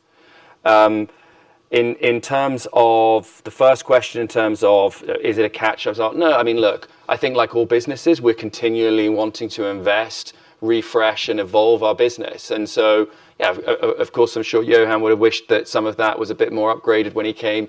In terms of the first question, is it a catch-up? No, I mean, look, I think like all businesses, we are continually wanting to invest, refresh, and evolve our business. Yeah, of course, I am sure Johan would have wished that some of that was a bit more upgraded when he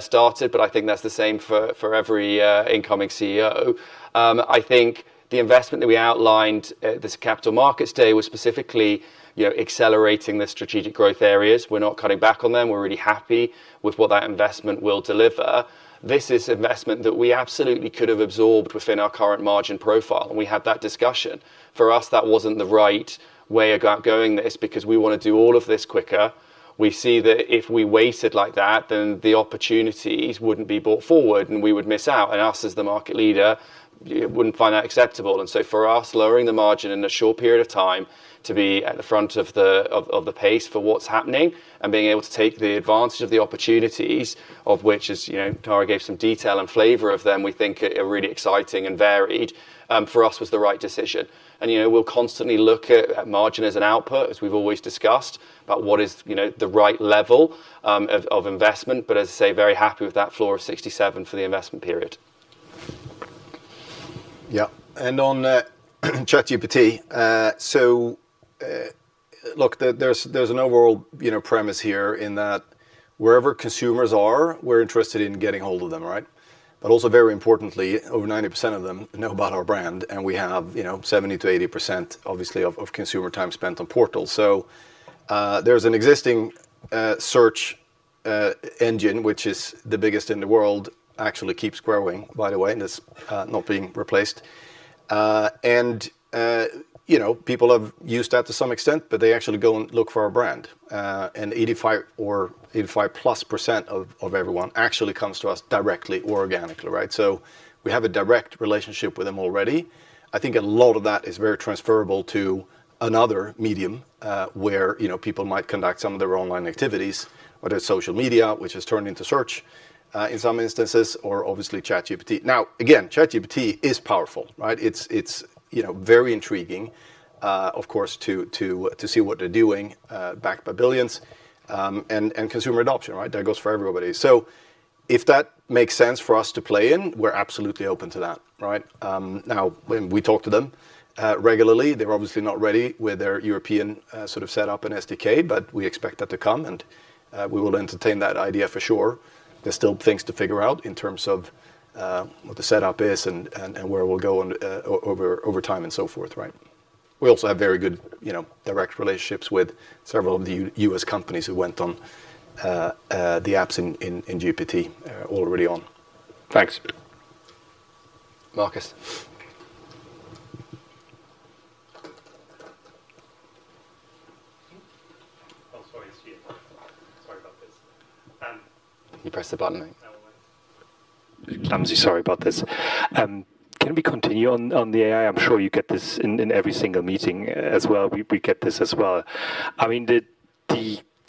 started. I think that's the same for every incoming CEO. I think the investment that we outlined at this Capital Markets Day was specifically accelerating the Strategic Growth Areas. We're not cutting back on them. We're really happy with what that investment will deliver. This is investment that we absolutely could have absorbed within our current margin profile. We had that discussion. For us, that wasn't the right way of going this because we want to do all of this quicker. We see that if we waited like that, then the opportunities wouldn't be brought forward, and we would miss out. Us as the market leader, we wouldn't find that acceptable. For us, lowering the margin in a short period of time to be at the front of the pace for what is happening and being able to take advantage of the opportunities, of which Tarah gave some detail and flavor of them, we think are really exciting and varied, for us was the right decision. We will constantly look at margin as an output, as we have always discussed, about what is the right level of investment. As I say, very happy with that floor of 67% for the investment period. Yeah. On ChatGPT, there is an overall premise here in that wherever consumers are, we are interested in getting hold of them, right? Also, very importantly, over 90% of them know about our brand. We have 70%-80% of consumer time spent on portals. There is an existing search engine, which is the biggest in the world, actually keeps growing, by the way, and it is not being replaced. People have used that to some extent, but they actually go and look for our brand. Eighty-five or 85%+ of everyone actually comes to us directly or organically, right? We have a direct relationship with them already. I think a lot of that is very transferable to another medium where people might conduct some of their online activities, whether it is social media, which has turned into search in some instances, or obviously ChatGPT. Now, again, ChatGPT is powerful, right? It is very intriguing, of course, to see what they are doing backed by billions and consumer adoption, right? That goes for everybody. If that makes sense for us to play in, we are absolutely open to that, right? Now, when we talk to them regularly, they're obviously not ready with their European sort of setup and SDK, but we expect that to come. We will entertain that idea for sure. There are still things to figure out in terms of what the setup is and where we'll go over time and so forth, right? We also have very good direct relationships with several of the US companies who went on the apps in GPT already on. Thanks. Marcus. Sorry about this. You pressed the button. Clumsy. Sorry about this. Can we continue on the AI? I'm sure you get this in every single meeting as well. We get this as well. I mean, the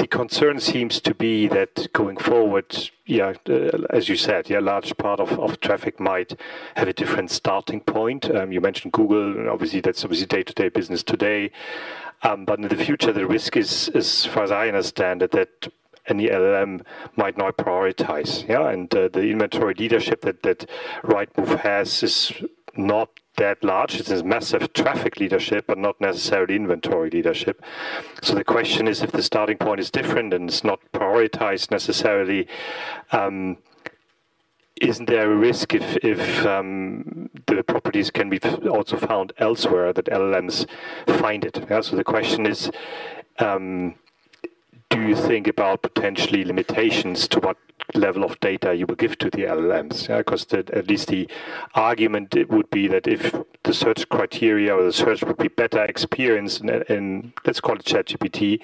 concern seems to be that going forward, as you said, a large part of traffic might have a different starting point. You mentioned Google. Obviously, that's obviously day-to-day business today. In the future, the risk is, as far as I understand, that any LLM might not prioritize. The inventory leadership that Rightmove has is not that large. It's a massive traffic leadership, but not necessarily inventory leadership. The question is, if the starting point is different and it's not prioritized necessarily, isn't there a risk if the properties can be also found elsewhere that LLMs find it? The question is, do you think about potentially limitations to what level of data you will give to the LLMs? Because at least the argument would be that if the search criteria or the search would be better experienced in, let's call it ChatGPT,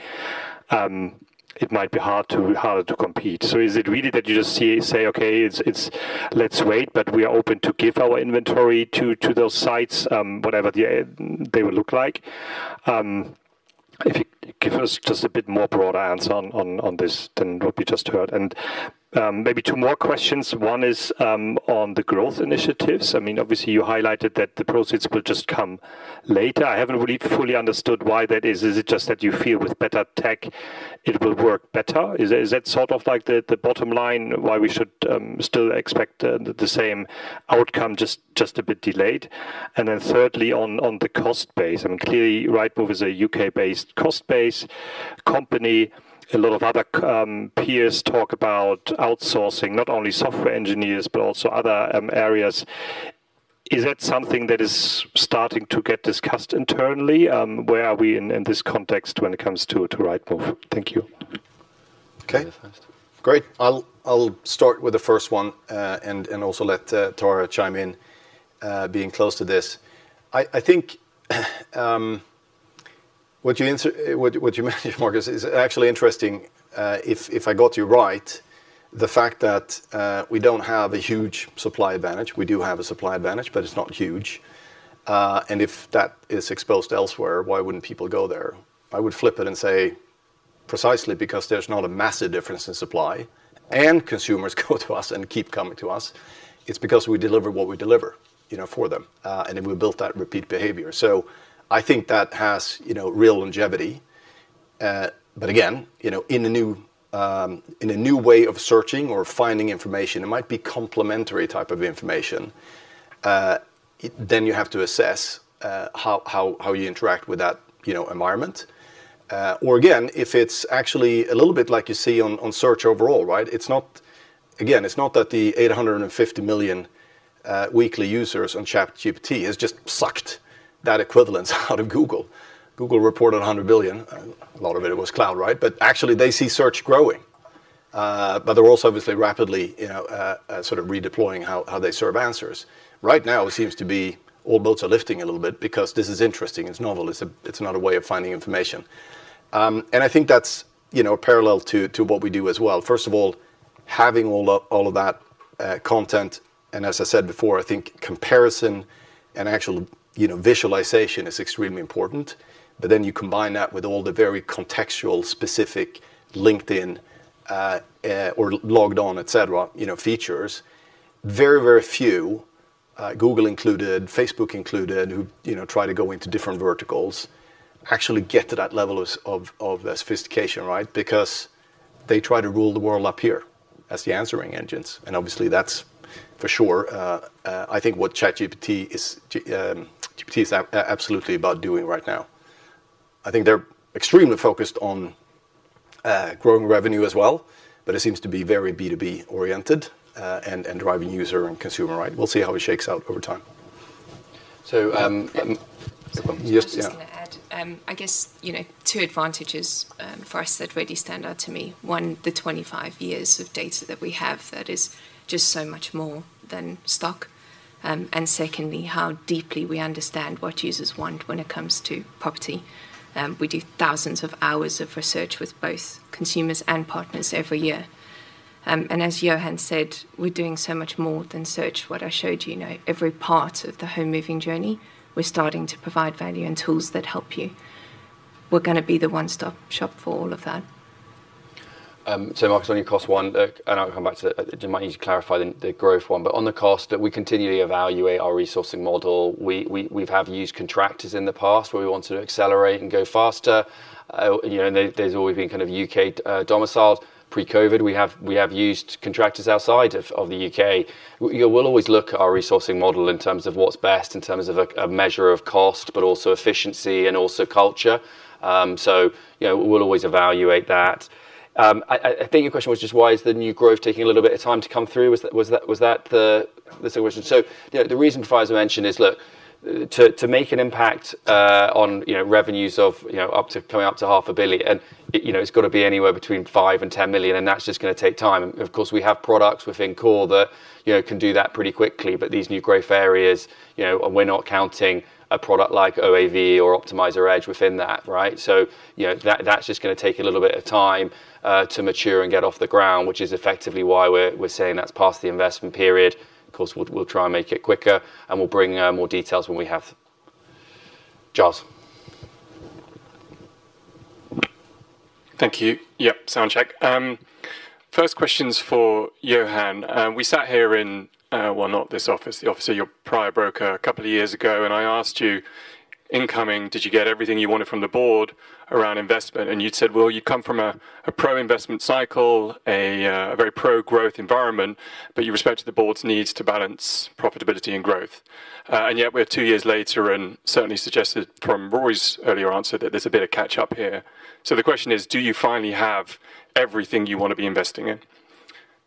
it might be harder to compete. Is it really that you just say, "Okay, let's wait, but we are open to give our inventory to those sites, whatever they will look like"? If you give us just a bit more broad answer on this, than what we just heard. And maybe two more questions. One is on the growth initiatives. I mean, obviously, you highlighted that the proceeds will just come later. I have not really fully understood why that is. Is it just that you feel with better tech, it will work better? Is that sort of like the bottom line why we should still expect the same outcome, just a bit delayed? And then thirdly, on the cost base. I mean, clearly, Rightmove is a U.K.-based cost-based company. A lot of other peers talk about outsourcing not only software engineers, but also other areas. Is that something that is starting to get discussed internally? Where are we in this context when it comes to Rightmove? Thank you. Okay. Great. I'll start with the first one and also let Tarah chime in, being close to this. I think what you mentioned, Marcus, is actually interesting. If I got you right, the fact that we do not have a huge supply advantage, we do have a supply advantage, but it is not huge. If that is exposed elsewhere, why would not people go there? I would flip it and say, precisely because there is not a massive difference in supply and consumers go to us and keep coming to us, it is because we deliver what we deliver for them. We built that repeat behavior. I think that has real longevity. Again, in a new way of searching or finding information, it might be complementary type of information. You have to assess how you interact with that environment. Again, if it is actually a little bit like you see on search overall, right? Again, it is not that the 850 million weekly users on ChatGPT has just sucked that equivalence out of Google. Google reported 100 billion. A lot of it was cloud, right? Actually, they see search growing. They are also obviously rapidly sort of redeploying how they serve answers. Right now, it seems to be all boats are lifting a little bit because this is interesting. It is novel. It is another way of finding information. I think that is a parallel to what we do as well. First of all, having all of that content. As I said before, I think comparison and actual visualization is extremely important. Then you combine that with all the very contextual, specific LinkedIn or logged on, etc. features. Very, very few, Google included, Facebook included, who try to go into different verticals, actually get to that level of sophistication, right? Because they try to rule the world up here as the answering engines. Obviously, that's for sure. I think what ChatGPT is absolutely about doing right now. I think they're extremely focused on growing revenue as well, but it seems to be very B2B oriented and driving user and consumer, right? We'll see how it shakes out over time. I'm just going to add. I guess two advantages for us that really stand out to me. One, the 25 years of data that we have that is just so much more than stock. Secondly, how deeply we understand what users want when it comes to property. We do thousands of hours of research with both consumers and partners every year. As Johan said, we're doing so much more than search. What I showed you, every part of the home moving journey, we're starting to provide value and tools that help you. We're going to be the one-stop shop for all of that. Marcus, on your cost one, and I'll come back to it, you might need to clarify the growth one. On the cost, we continually evaluate our resourcing model. We've used contractors in the past where we wanted to accelerate and go faster. Those have always been kind of U.K. domiciled. Pre-COVID, we have used contractors outside of the U.K. We'll always look at our resourcing model in terms of what's best in terms of a measure of cost, but also efficiency and also culture. We'll always evaluate that. I think your question was just, why is the new growth taking a little bit of time to come through? Was that the question? The reason for, as I mentioned, is, look, to make an impact on revenues of coming up to 500,000,000, it has got to be anywhere between 5 million and 10 million. That is just going to take time. Of course, we have products within Core that can do that pretty quickly. These new growth areas, we are not counting a product like OAV or Optimizer Edge within that, right? That is just going to take a little bit of time to mature and get off the ground, which is effectively why we are saying that is past the investment period. Of course, we will try and make it quicker. We will bring more details when we have. Jos. Thank you. Yeah, sound check. First questions for Johan. We sat here in, not this office, the office of your prior broker a couple of years ago. I asked you incoming, did you get everything you wanted from the board around investment? You'd said you come from a pro-investment cycle, a very pro-growth environment, but you respected the board's needs to balance profitability and growth. Yet, we're two years later and certainly suggested from Ruaridh's earlier answer that there's a bit of catch-up here. The question is, do you finally have everything you want to be investing in?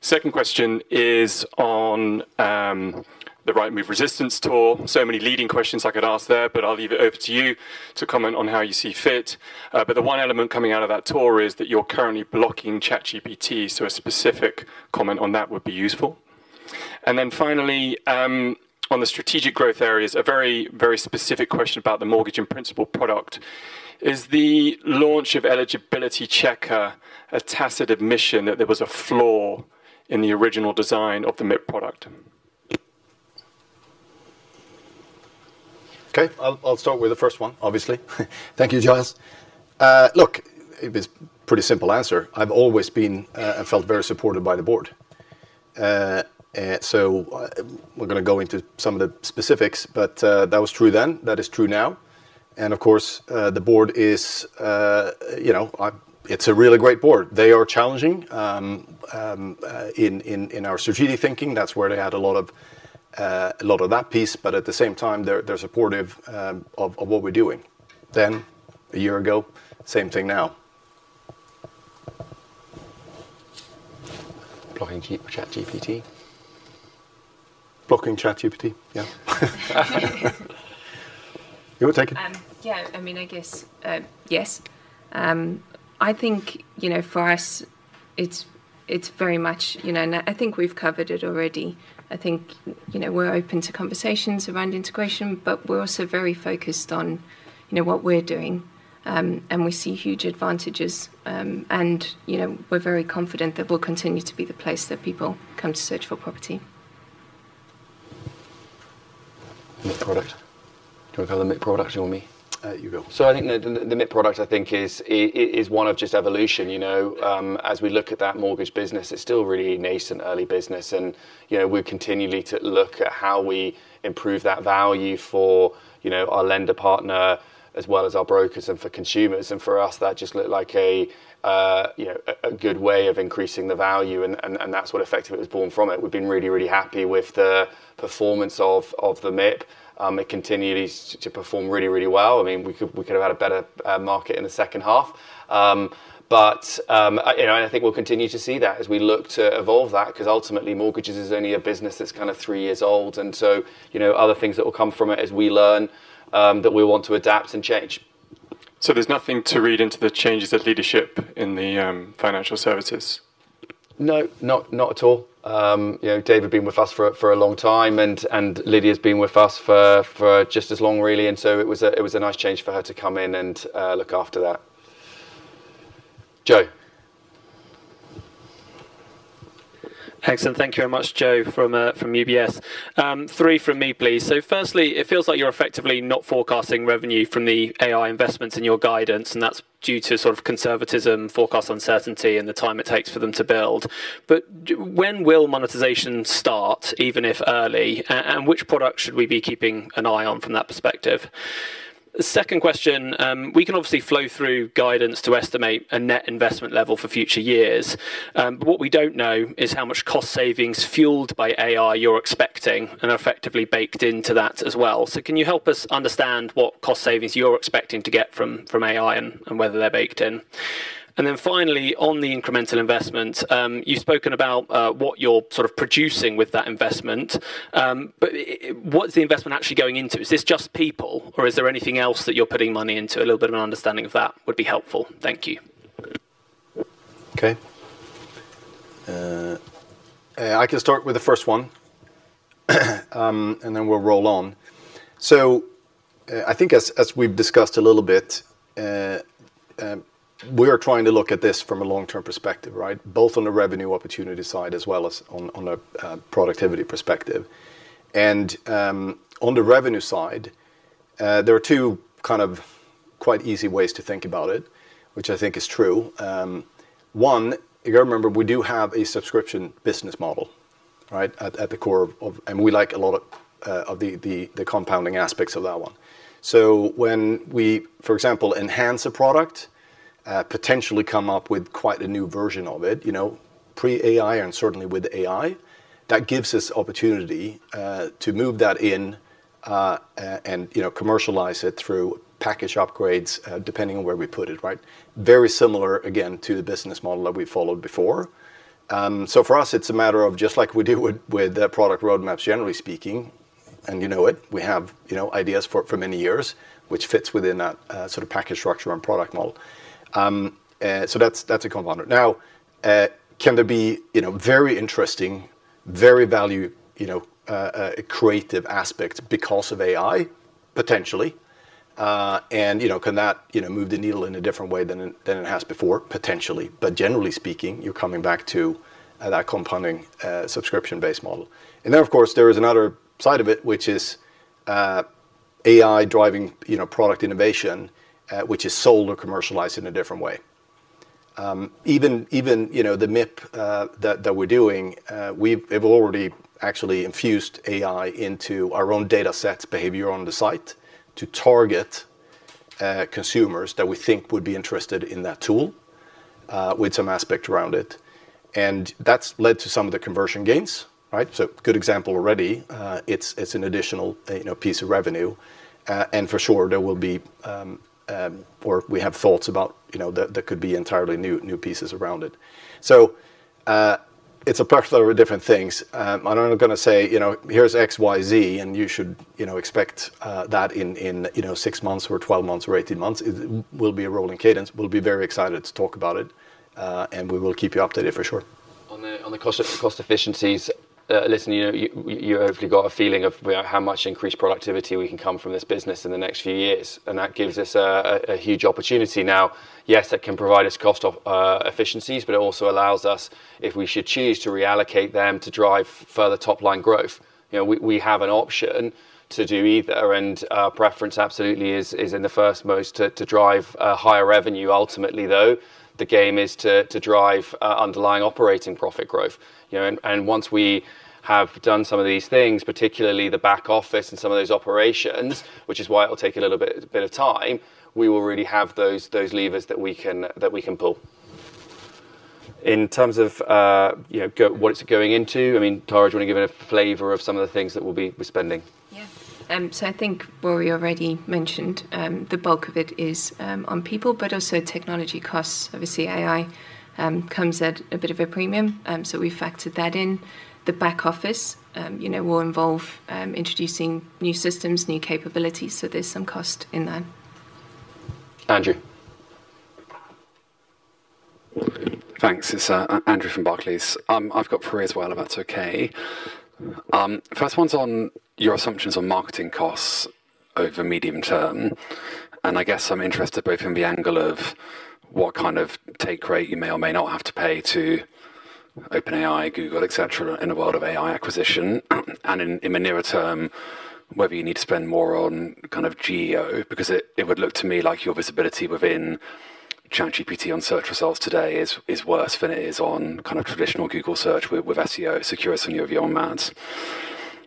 Second question is on the Rightmove resistance tour. So many leading questions I could ask there, but I'll leave it over to you to comment on how you see fit. The one element coming out of that tour is that you're currently blocking ChatGPT. A specific comment on that would be useful. Finally, on the strategic growth areas, a very, very specific question about the Mortgage in Principle product. Is the launch of eligibility checker a tacit admission that there was a flaw in the original design of the MIP product? Okay. I'll start with the first one, obviously. Thank you, Jos. Look, it's a pretty simple answer. I've always been and felt very supported by the board. We are going to go into some of the specifics, but that was true then. That is true now. Of course, the board is, it's a really great board. They are challenging in our strategic thinking. That's where they had a lot of that piece. At the same time, they're supportive of what we're doing. A year ago, same thing now. Blocking ChatGPT. Blocking ChatGPT, yeah. You want to take it? Yeah. I mean, I guess, yes. I think for us, it's very much, and I think we've covered it already. I think we're open to conversations around integration, but we're also very focused on what we're doing. We see huge advantages. We're very confident that we'll continue to be the place that people come to search for property. MIP product. Do you want to go to the MIP product? Do you want me? You go. I think the MIP product is one of just evolution. As we look at that Mortgage business, it's still really nascent, early business. We're continually looking at how we improve that value for our lender partner, as well as our brokers and for consumers. For us, that just looked like a good way of increasing the value. That's what effectively was born from it. We've been really, really happy with the performance of the MIP. It continues to perform really, really well. I mean, we could have had a better market in the second half. I think we'll continue to see that as we look to evolve that because ultimately, mortgages is only a business that's kind of three years old. Other things will come from it as we learn that we want to adapt and change. There's nothing to read into the changes of leadership in the financial services? No, not at all. David's been with us for a long time, and Lydia's been with us for just as long, really. It was a nice change for her to come in and look after that. Joe. Excellent. Thank you very much, Joe, from UBS. Three from me, please. Firstly, it feels like you're effectively not forecasting revenue from the AI investments in your guidance. That's due to sort of conservatism, forecast uncertainty, and the time it takes for them to build. When will monetization start, even if early? Which products should we be keeping an eye on from that perspective? Second question, we can obviously flow through guidance to estimate a net investment level for future years. What we don't know is how much cost savings fueled by AI you're expecting and effectively baked into that as well. Can you help us understand what cost savings you're expecting to get from AI and whether they're baked in? Finally, on the incremental investments, you've spoken about what you're sort of producing with that investment. What's the investment actually going into? Is this just people, or is there anything else that you're putting money into? A little bit of an understanding of that would be helpful. Thank you. Okay. I can start with the first one, and then we'll roll on. I think as we've discussed a little bit, we are trying to look at this from a long-term perspective, right? Both on the revenue opportunity side as well as on the productivity perspective. On the revenue side, there are two kind of quite easy ways to think about it, which I think is true. One, you got to remember, we do have a subscription business model, right, at the core of, and we like a lot of the compounding aspects of that one. When we, for example, enhance a product, potentially come up with quite a new version of it, pre-AI and certainly with AI, that gives us opportunity to move that in and commercialize it through package upgrades, depending on where we put it, right? Very similar, again, to the business model that we followed before. For us, it is a matter of just like we do with product roadmaps, generally speaking. You know it. We have ideas for many years, which fits within that sort of package structure and product model. That is a compounder. Now, can there be very interesting, very value-creative aspects because of AI, potentially? Can that move the needle in a different way than it has before, potentially? Generally speaking, you are coming back to that compounding subscription-based model. There is another side of it, which is AI driving product innovation, which is sold or commercialized in a different way. Even the MIP that we're doing, we've already actually infused AI into our own data sets, behavior on the site to target consumers that we think would be interested in that tool with some aspect around it. That has led to some of the conversion gains, right? A good example already. It is an additional piece of revenue. For sure, there will be, or we have thoughts about, that could be entirely new pieces around it. It is a plethora of different things. I'm not going to say, here is X, Y, Z, and you should expect that in 6 months or 12 months or 18 months. It will be a rolling cadence. We will be very excited to talk about it. We will keep you updated for sure. On the cost efficiencies, listen, you hopefully got a feeling of how much increased productivity we can come from this business in the next few years. That gives us a huge opportunity now. Yes, it can provide us cost efficiencies, but it also allows us, if we should choose to reallocate them, to drive further top-line growth. We have an option to do either. Our preference absolutely is in the first most to drive higher revenue. Ultimately, though, the game is to drive underlying operating profit growth. Once we have done some of these things, particularly the back office and some of those operations, which is why it will take a little bit of time, we will really have those levers that we can pull. In terms of what it's going into, I mean, Tarah, do you want to give a flavor of some of the things that we'll be spending? Yeah. I think Ruaridh already mentioned the bulk of it is on people, but also technology costs. Obviously, AI comes at a bit of a premium. We've factored that in. The back office will involve introducing new systems, new capabilities. There's some cost in that. Andrew. Thanks. It's Andrew from Barclays. I've got three as well, if that's okay. First one's on your assumptions on marketing costs over the medium term. I guess I'm interested both in the angle of what kind of take rate you may or may not have to pay to OpenAI, Google, etc., in the world of AI acquisition. In the nearer term, whether you need to spend more on kind of GEO, because it would look to me like your visibility within ChatGPT on search results today is worse than it is on kind of traditional Google search with SEO, security on your advance.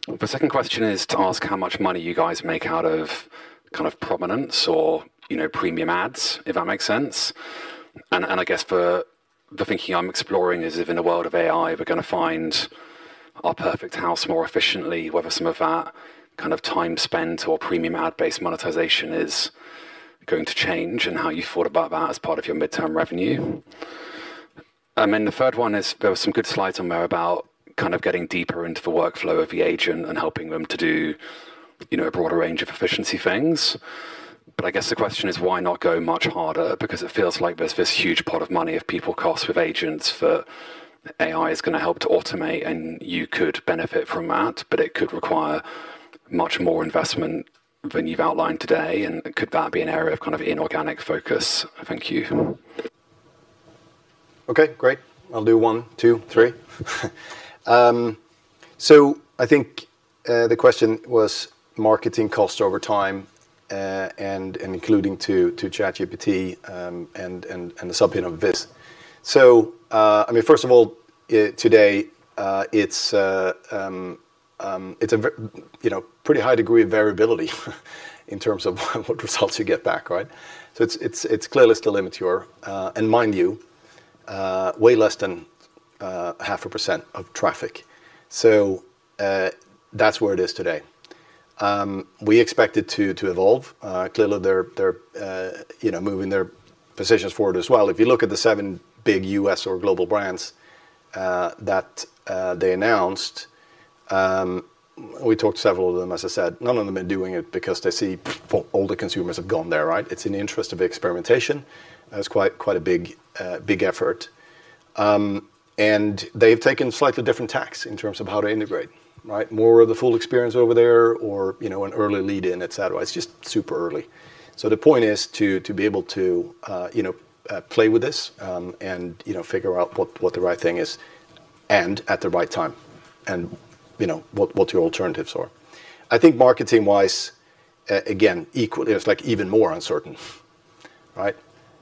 The second question is to ask how much money you guys make out of kind of prominence or premium ads, if that makes sense. I guess the thinking I am exploring is if in the world of AI, we are going to find our perfect house more efficiently, whether some of that kind of time spent or premium ad-based monetization is going to change and how you thought about that as part of your midterm revenue. Then the third one is there were some good slides on there about kind of getting deeper into the workflow of the agent and helping them to do a broader range of efficiency things. I guess the question is, why not go much harder? Because it feels like there's this huge pot of money of people costs with agents for AI is going to help to automate, and you could benefit from that, but it could require much more investment than you've outlined today. Could that be an area of kind of inorganic focus? Thank you. Okay, great. I'll do one, two, three. I think the question was marketing costs over time and including to ChatGPT and the subheading of this. I mean, first of all, today, it's a pretty high degree of variability in terms of what results you get back, right? It's clearly still immature. Mind you, way less than 0.5% of traffic. That's where it is today. We expect it to evolve. Clearly, they're moving their positions forward as well. If you look at the seven big U.S. or global brands that they announced, we talked to several of them, as I said, none of them are doing it because they see all the consumers have gone there, right? It's in the interest of experimentation. That's quite a big effort. They've taken slightly different tacks in terms of how to integrate, right? More of the full experience over there or an early lead-in, etc. It's just super early. The point is to be able to play with this and figure out what the right thing is at the right time and what your alternatives are. I think marketing-wise, again, equally, it's like even more uncertain, right?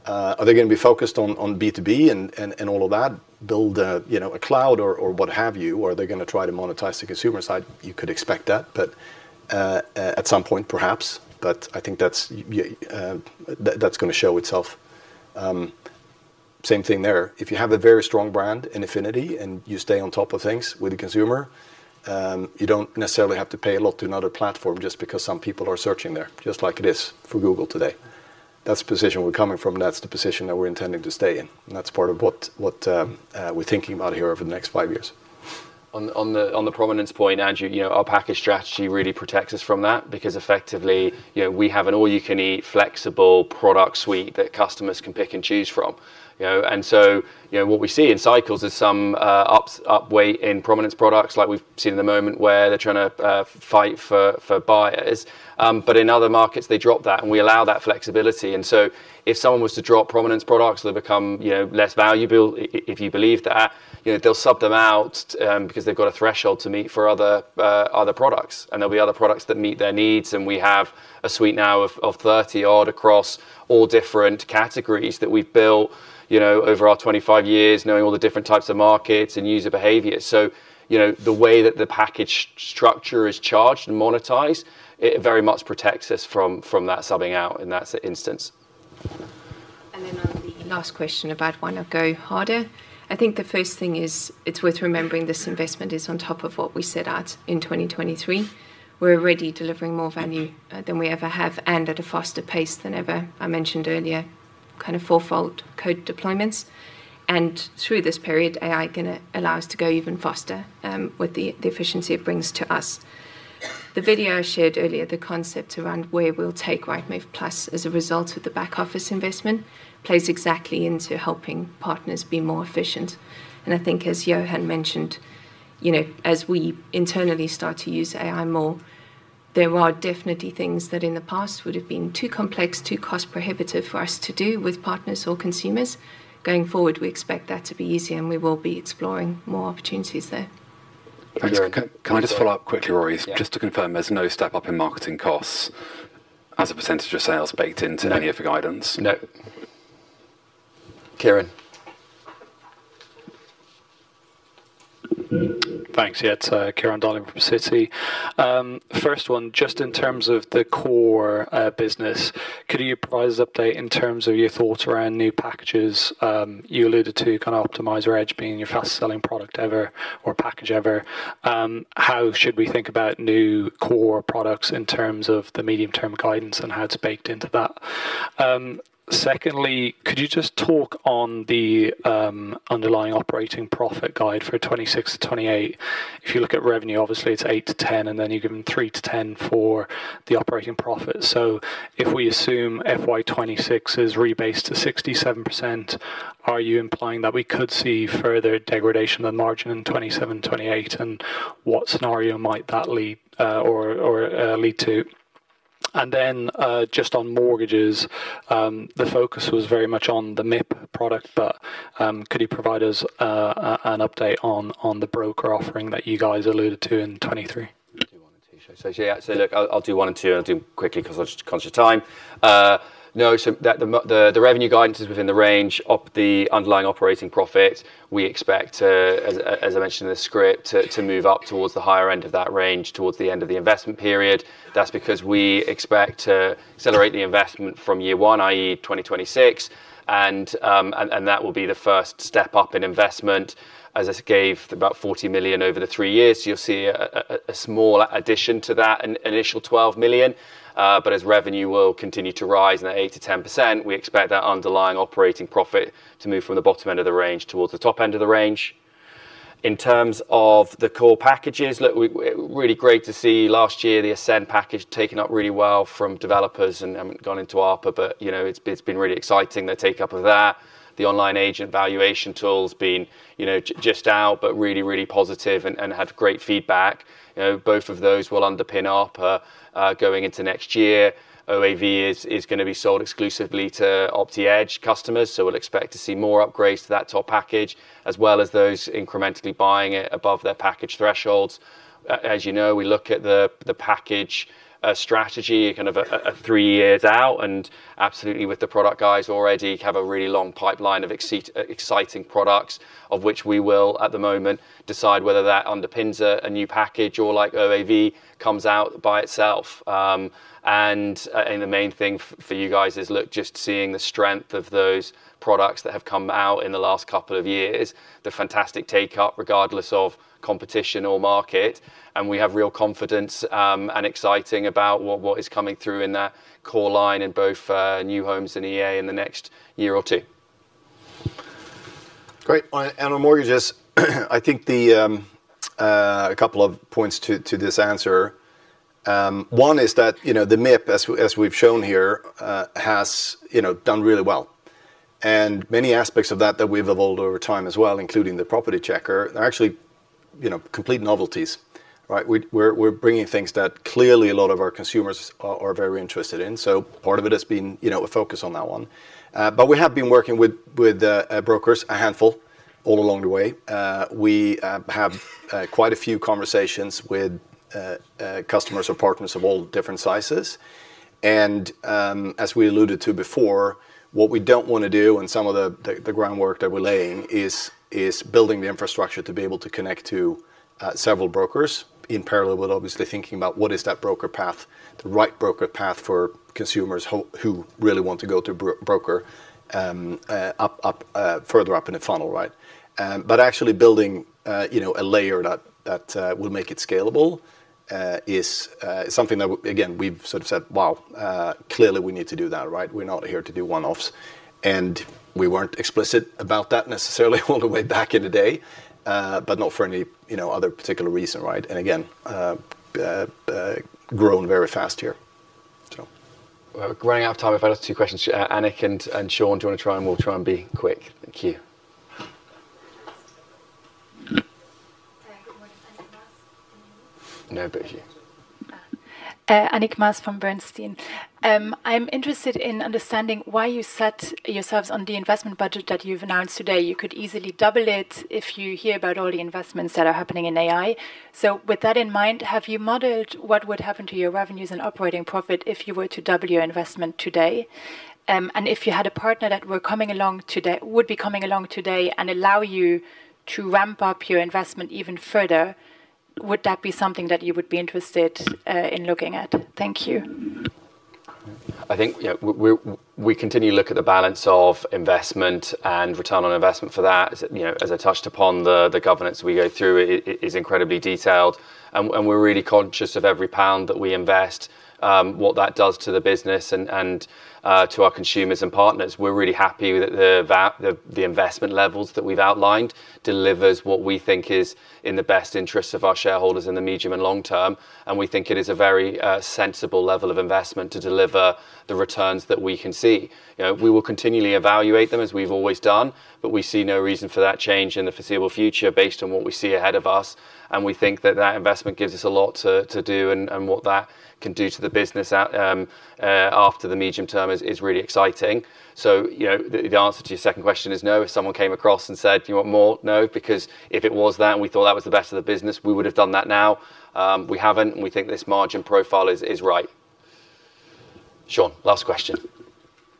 Are they going to be focused on B2B and all of that, build a cloud or what have you? Or are they going to try to monetize the consumer side? You could expect that, perhaps. I think that's going to show itself. Same thing there. If you have a very strong brand in affinity and you stay on top of things with the consumer, you do not necessarily have to pay a lot to another platform just because some people are searching there, just like it is for Google today. That is the position we are coming from. That is the position that we are intending to stay in. That is part of what we are thinking about here over the next five years. On the prominence point, Andrew, our package strategy really protects us from that because effectively we have an all-you-can-eat flexible product suite that customers can pick and choose from. What we see in cycles is some upweight in prominence products like we've seen in the moment where they're trying to fight for buyers. In other markets, they drop that and we allow that flexibility. If someone was to drop prominence products, they become less valuable. If you believe that, they'll sub them out because they've got a threshold to meet for other products. There will be other products that meet their needs. We have a suite now of 30-odd across all different categories that we've built over our 25 years, knowing all the different types of markets and user behaviors. The way that the package structure is charged and monetized, it very much protects us from that subbing out in that instance. On the last question about want to go harder, I think the first thing is it's worth remembering this investment is on top of what we set out in 2023. We're already delivering more value than we ever have and at a faster pace than ever. I mentioned earlier kind of four-fold code deployments. Through this period, AI is going to allow us to go even faster with the efficiency it brings to us. The video I shared earlier, the concept around where we'll take Rightmove Plus as a result of the back office investment plays exactly into helping partners be more efficient. I think as Johan mentioned, as we internally start to use AI more, there are definitely things that in the past would have been too complex, too cost-prohibitive for us to do with partners or consumers. Going forward, we expect that to be easier, and we will be exploring more opportunities there. Thank you. Can I just follow up quickly, Ruaridh? Just to confirm, there's no step up in marketing costs as a percentage of sales baked into any of the guidance? No. Kieran. Thanks. Yeah, it's Kieran Devlin from Citi. First one, just in terms of the Core business, could you provide us an update in terms of your thoughts around new packages? You alluded to kind of Optimizer Edge being your fastest-selling product ever or package ever. How should we think about new Core products in terms of the medium-term guidance and how it's baked into that? Secondly, could you just talk on the underlying operating profit guide for 2026-2028? If you look at revenue, obviously it's 8%-10%, and then you give them 3%-10% for the operating profit. If we assume FY 2026 is rebased to 67%, are you implying that we could see further degradation of the margin in 2027, 2028? What scenario might that lead or lead to? Just on Mortgages, the focus was very much on the MIP product, but could you provide us an update on the broker offering that you guys alluded to in 2023? I'll do one or two. Yeah, look, I'll do one or two, and I'll do them quickly because I just got a conscious time. No, the revenue guidance is within the range of the underlying operating profit. We expect, as I mentioned in the script, to move up towards the higher end of that range towards the end of the investment period. That is because we expect to accelerate the investment from year one, i.e., 2026. That will be the first step up in investment as it gave about 40 million over the three years. You will see a small addition to that initial 12 million. As revenue will continue to rise in that 8%-10%, we expect that underlying operating profit to move from the bottom end of the range towards the top end of the range. In terms of the Core packages, look, really great to see last year the Ascent package taken up really well from developers and gone into ARPA, but it has been really exciting. The take-up of that, the online agent valuation tools being just out, but really, really positive and had great feedback. Both of those will underpin ARPA going into next year. OAV is going to be sold exclusively to OptiEdge customers. We will expect to see more upgrades to that top package, as well as those incrementally buying it above their package thresholds. As you know, we look at the package strategy kind of three years out. Absolutely, the product guys already have a really long pipeline of exciting products, of which we will at the moment decide whether that underpins a new package or like OAV comes out by itself. The main thing for you guys is, look, just seeing the strength of those products that have come out in the last couple of years, the fantastic take-up regardless of competition or market. We have real confidence and are excited about what is coming through in thatCore line in both new homes and EA in the next year or two. Great. On Mortgages, I think a couple of points to this answer. One is that the MIP, as we have shown here, has done really well. Many aspects of that that we have evolved over time as well, including the Property Checker, are actually complete novelties, right? We are bringing things that clearly a lot of our consumers are very interested in. Part of it has been a focus on that one. We have been working with brokers, a handful, all along the way. We have quite a few conversations with customers or partners of all different sizes. As we alluded to before, what we do not want to do and some of the groundwork that we are laying is building the infrastructure to be able to connect to several brokers in parallel with obviously thinking about what is that broker path, the right broker path for consumers who really want to go to a broker further up in the funnel, right? Actually building a layer that will make it scalable is something that, again, we have sort of said, wow, clearly we need to do that, right? We are not here to do one-offs. We were not explicit about that necessarily all the way back in the day, but not for any other particular reason, right? Again, grown very fast here. Running out of time, if I have two questions, Annick and Sean, do you want to try and we will try and be quick? Thank you. Good morning. Annick Maas from Bernstein. I'm interested in understanding why you set yourselves on the investment budget that you've announced today. You could easily double it if you hear about all the investments that are happening in AI. With that in mind, have you modeled what would happen to your revenues and operating profit if you were to double your investment today? If you had a partner that would be coming along today and allow you to ramp up your investment even further, would that be something that you would be interested in looking at? Thank you. I think we continue to look at the balance of investment and return on investment for that. As I touched upon, the governance we go through is incredibly detailed. We're really conscious of every pound that we invest, what that does to the business and to our consumers and partners. We're really happy that the investment levels that we've outlined delivers what we think is in the best interests of our shareholders in the medium and long term. We think it is a very sensible level of investment to deliver the returns that we can see. We will continually evaluate them as we've always done, but we see no reason for that change in the foreseeable future based on what we see ahead of us. We think that that investment gives us a lot to do and what that can do to the business after the medium term is really exciting. The answer to your second question is no. If someone came across and said, you want more? No, because if it was that and we thought that was the best of the business, we would have done that now. We haven't. We think this margin profile is right. Sean, last question.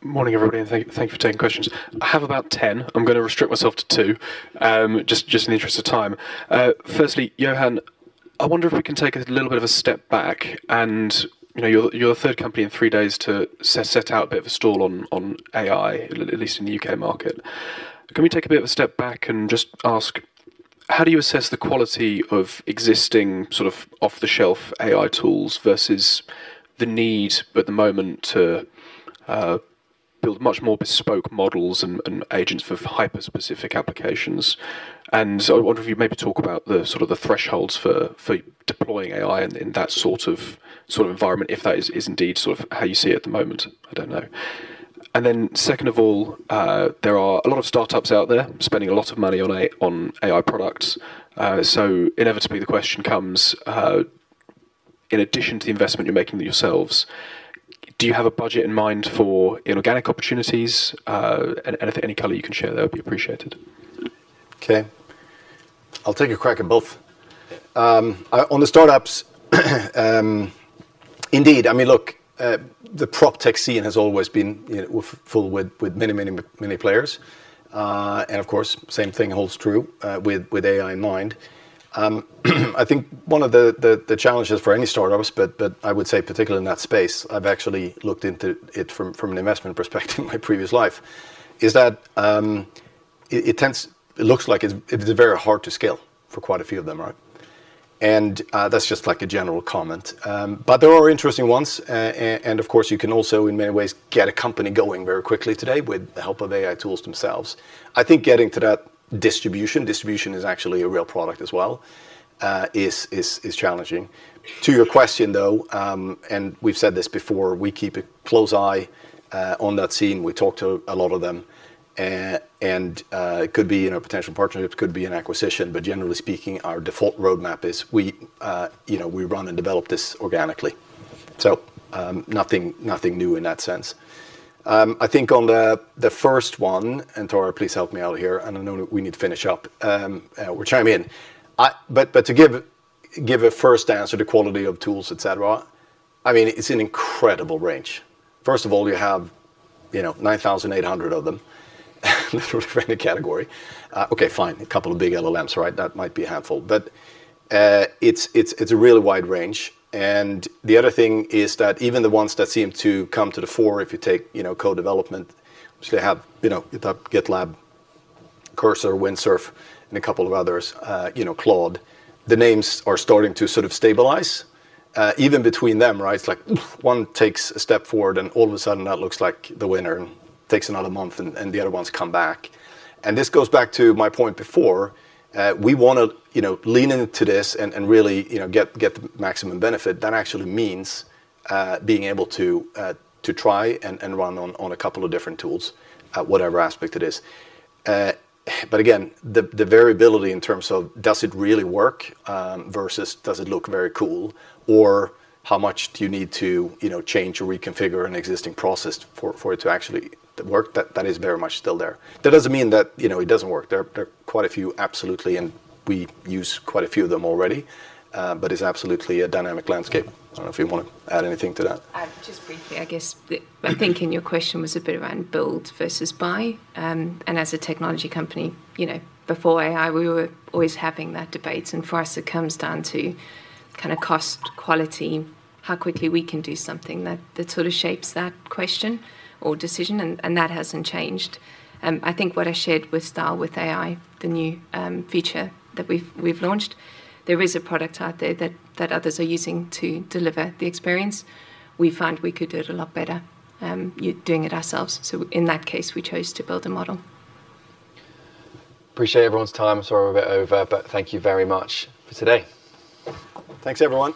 Morning, everybody. Thank you for taking questions. I have about 10. I'm going to restrict myself to two, just in the interest of time. Firstly, Johan, I wonder if we can take a little bit of a step back. You're the third company in three days to set out a bit of a stall on AI, at least in the U.K. market. Can we take a bit of a step back and just ask, how do you assess the quality of existing sort of off-the-shelf AI tools versus the need at the moment to build much more bespoke models and agents for hyper-specific applications? I wonder if you maybe talk about the sort of thresholds for deploying AI in that sort of environment, if that is indeed sort of how you see it at the moment. I don't know. Then, second of all, there are a lot of startups out there spending a lot of money on AI products. Inevitably, the question comes, in addition to the investment you're making yourselves, do you have a budget in mind for inorganic opportunities? If any color you can share, that would be appreciated. Okay. I'll take a crack at both. On the startups, indeed, I mean, look, the prop tech scene has always been full with many, many, many players. Of course, the same thing holds true with AI in mind. I think one of the challenges for any startups, but I would say particularly in that space, I've actually looked into it from an investment perspective in my previous life, is that it looks like it's very hard to scale for quite a few of them, right? That's just a general comment. There are interesting ones. Of course, you can also, in many ways, get a company going very quickly today with the help of AI tools themselves. I think getting to that distribution, distribution is actually a real product as well, is challenging. To your question, though, and we have said this before, we keep a close eye on that scene. We talk to a lot of them. It could be in a potential partnership, could be an acquisition. Generally speaking, our default roadmap is we run and develop this organically. Nothing new in that sense. I think on the first one, and Tarah, please help me out here, and I know we need to finish up, will chime in. To give a first answer to quality of tools, etc., I mean, it is an incredible range. First of all, you have 9,800 of them, literally random category. Okay, fine, a couple of big LLMs, right? That might be a handful. It is a really wide range. The other thing is that even the ones that seem to come to the fore, if you take co-development, which they have GitLab, Cursor, Windsurf, and a couple of others, Claude, the names are starting to sort of stabilize. Even between them, right? It is like one takes a step forward, and all of a sudden, that looks like the winner and takes another month, and the other ones come back. This goes back to my point before. We want to lean into this and really get the maximum benefit. That actually means being able to try and run on a couple of different tools, whatever aspect it is. Again, the variability in terms of does it really work versus does it look very cool, or how much do you need to change or reconfigure an existing process for it to actually work, that is very much still there. That does not mean that it does not work. There are quite a few, absolutely, and we use quite a few of them already, but it is absolutely a dynamic landscape. I do not know if you want to add anything to that. Just briefly, I guess, I think in your question was a bit around build versus buy. As a technology company, before AI, we were always having that debate. For us, it comes down to kind of cost, quality, how quickly we can do something that sort of shapes that question or decision. That has not changed. I think what I shared with Style with AI, the new feature that we've launched, there is a product out there that others are using to deliver the experience. We found we could do it a lot better doing it ourselves. In that case, we chose to build a model. Appreciate everyone's time. Sorry we're a bit over, but thank you very much for today. Thanks, everyone.